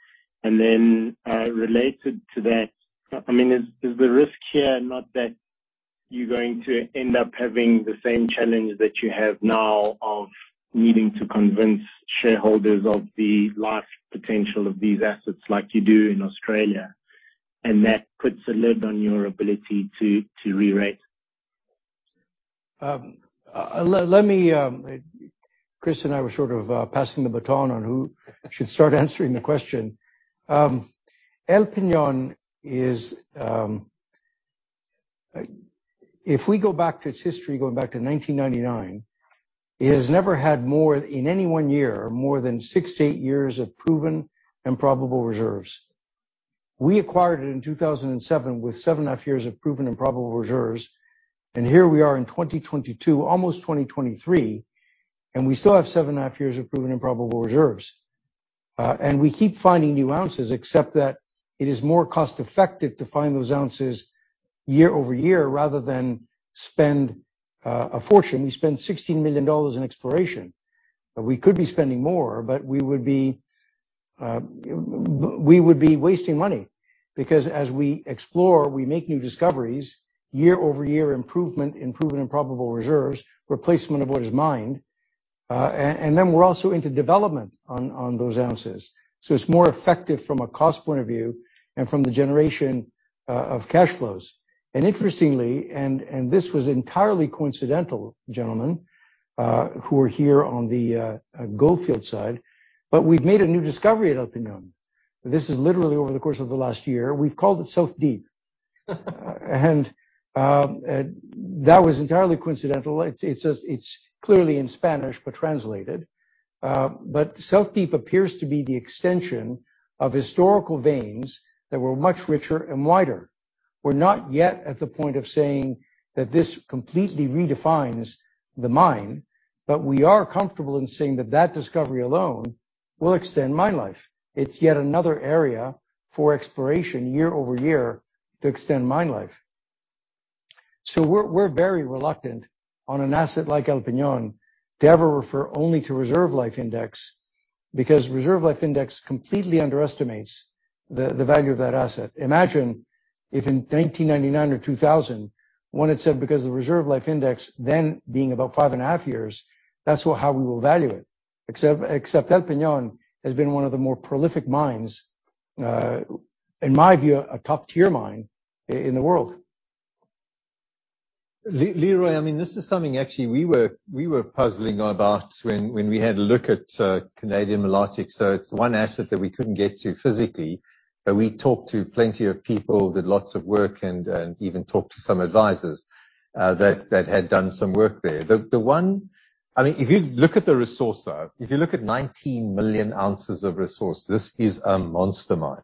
Related to that, is the risk here not that you're going to end up having the same challenge that you have now of needing to convince shareholders of the life potential of these assets like you do in Australia, and that puts a lid on your ability to rerate. Chris and I were sort of passing the baton on who should start answering the question. El Peñón is, if we go back to its history going back to 1999, it has never had more, in any one year, more than six to eight years of proven and probable reserves. We acquired it in 2007 with 7.5 years of proven and probable reserves, and here we are in 2022, almost 2023, and we still have 7.5 years of proven and probable reserves. We keep finding new ounces, except that it is more cost effective to find those ounces year-over-year rather than spend a fortune. We spend $16 million in exploration. We could be spending more, but we would be wasting money because as we explore, we make new discoveries, year-over-year improvement in proven and probable reserves, replacement of what is mined, and then we're also into development on those ounces. It's more effective from a cost point of view and from the generation of cash flows. Interestingly, this was entirely coincidental, gentlemen, who are here on the Gold Fields side, but we've made a new discovery at El Peñón. This is literally over the course of the last year. We've called it South Deep. That was entirely coincidental. It's clearly in Spanish, but translated. South Deep appears to be the extension of historical veins that were much richer and wider. We're not yet at the point of saying that this completely redefines the mine, but we are comfortable in saying that that discovery alone will extend mine life. It's yet another area for exploration year-over-year to extend mine life. We're very reluctant on an asset like El Peñón to ever refer only to reserve life index, because reserve life index completely underestimates the value of that asset. Imagine if in 1999 or 2000 one had said, because the reserve life index then being about 5.5 years, that's how we will value it. Except El Peñón has been one of the more prolific mines, in my view, a top-tier mine in the world. Leroy, I mean, this is something actually we were puzzling about when we had a look at Canadian Malartic. It's one asset that we couldn't get to physically, but we talked to plenty of people, did lots of work, and even talked to some advisors that had done some work there. I mean, if you look at the resource, though, if you look at 19 million ounces of resource, this is a monster mine.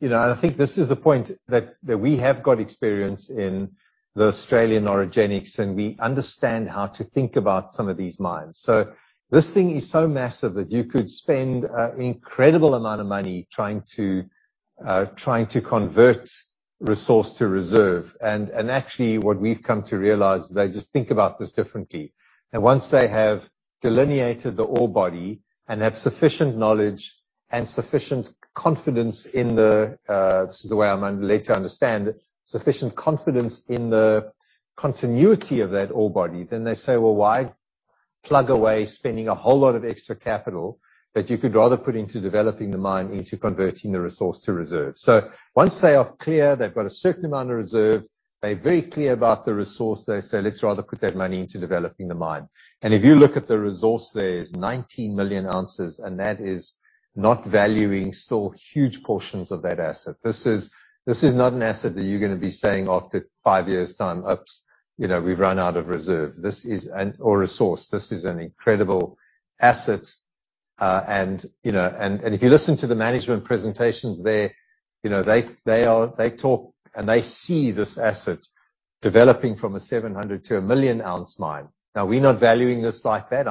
You know, I think this is the point that we have got experience in the Australian orogenics, and we understand how to think about some of these mines. This thing is so massive that you could spend an incredible amount of money trying to convert resource to reserve. Actually, what we've come to realize, they just think about this differently. Once they have delineated the ore body and have sufficient knowledge and sufficient confidence in the, this is the way I'm led to understand, sufficient confidence in the continuity of that ore body, then they say, "Well, why plug away spending a whole lot of extra capital that you could rather put into developing the mine into converting the resource to reserve?" Once they are clear, they've got a certain amount of reserve, they're very clear about the resource, they say, "Let's rather put that money into developing the mine." If you look at the resource, there is 19 million ounces, and that is not valuing still huge portions of that asset. This is not an asset that you're gonna be saying after five years' time, "Oops, you know, we've run out of reserve." This is an incredible asset. And if you listen to the management presentations there, you know, they talk and they see this asset developing from 700,000-1 million ounce mine. Now, we're not valuing this like that.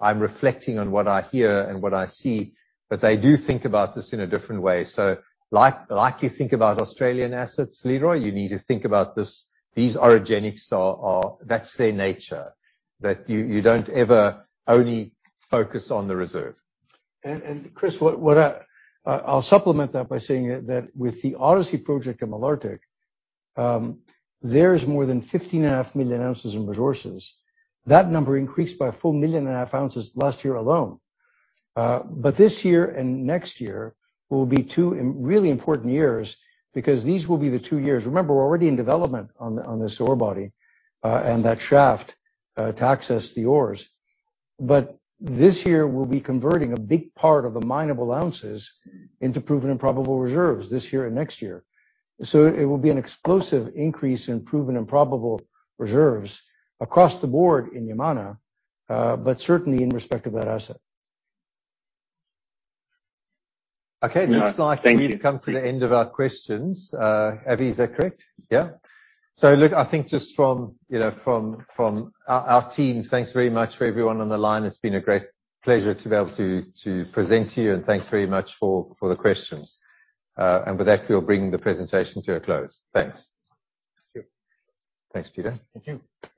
I'm reflecting on what I hear and what I see, but they do think about this in a different way. Like you think about Australian assets, Leroy, you need to think about this. These orogenics are that's their nature, that you don't ever only focus on the reserve. Chris, I'll supplement that by saying that with the Odyssey project at Malartic, there's more than 15.5 million ounces in resources. That number increased by a full 1.5 million ounces last year alone. This year and next year will be two really important years because these will be the two years. Remember, we're already in development on this ore body, and that shaft to access the ores. This year, we'll be converting a big part of the mineable ounces into proven and probable reserves this year and next year. It will be an explosive increase in proven and probable reserves across the board in Yamana, but certainly in respect of that asset. Okay. Yeah. Thank you. Looks like we've come to the end of our questions. Avi, is that correct? Yeah. Look, I think just from, you know, from our team, thanks very much for everyone on the line. It's been a great pleasure to be able to present to you. Thanks very much for the questions. With that, we'll bring the presentation to a close. Thanks. Thank you. Thanks, Peter. Thank you.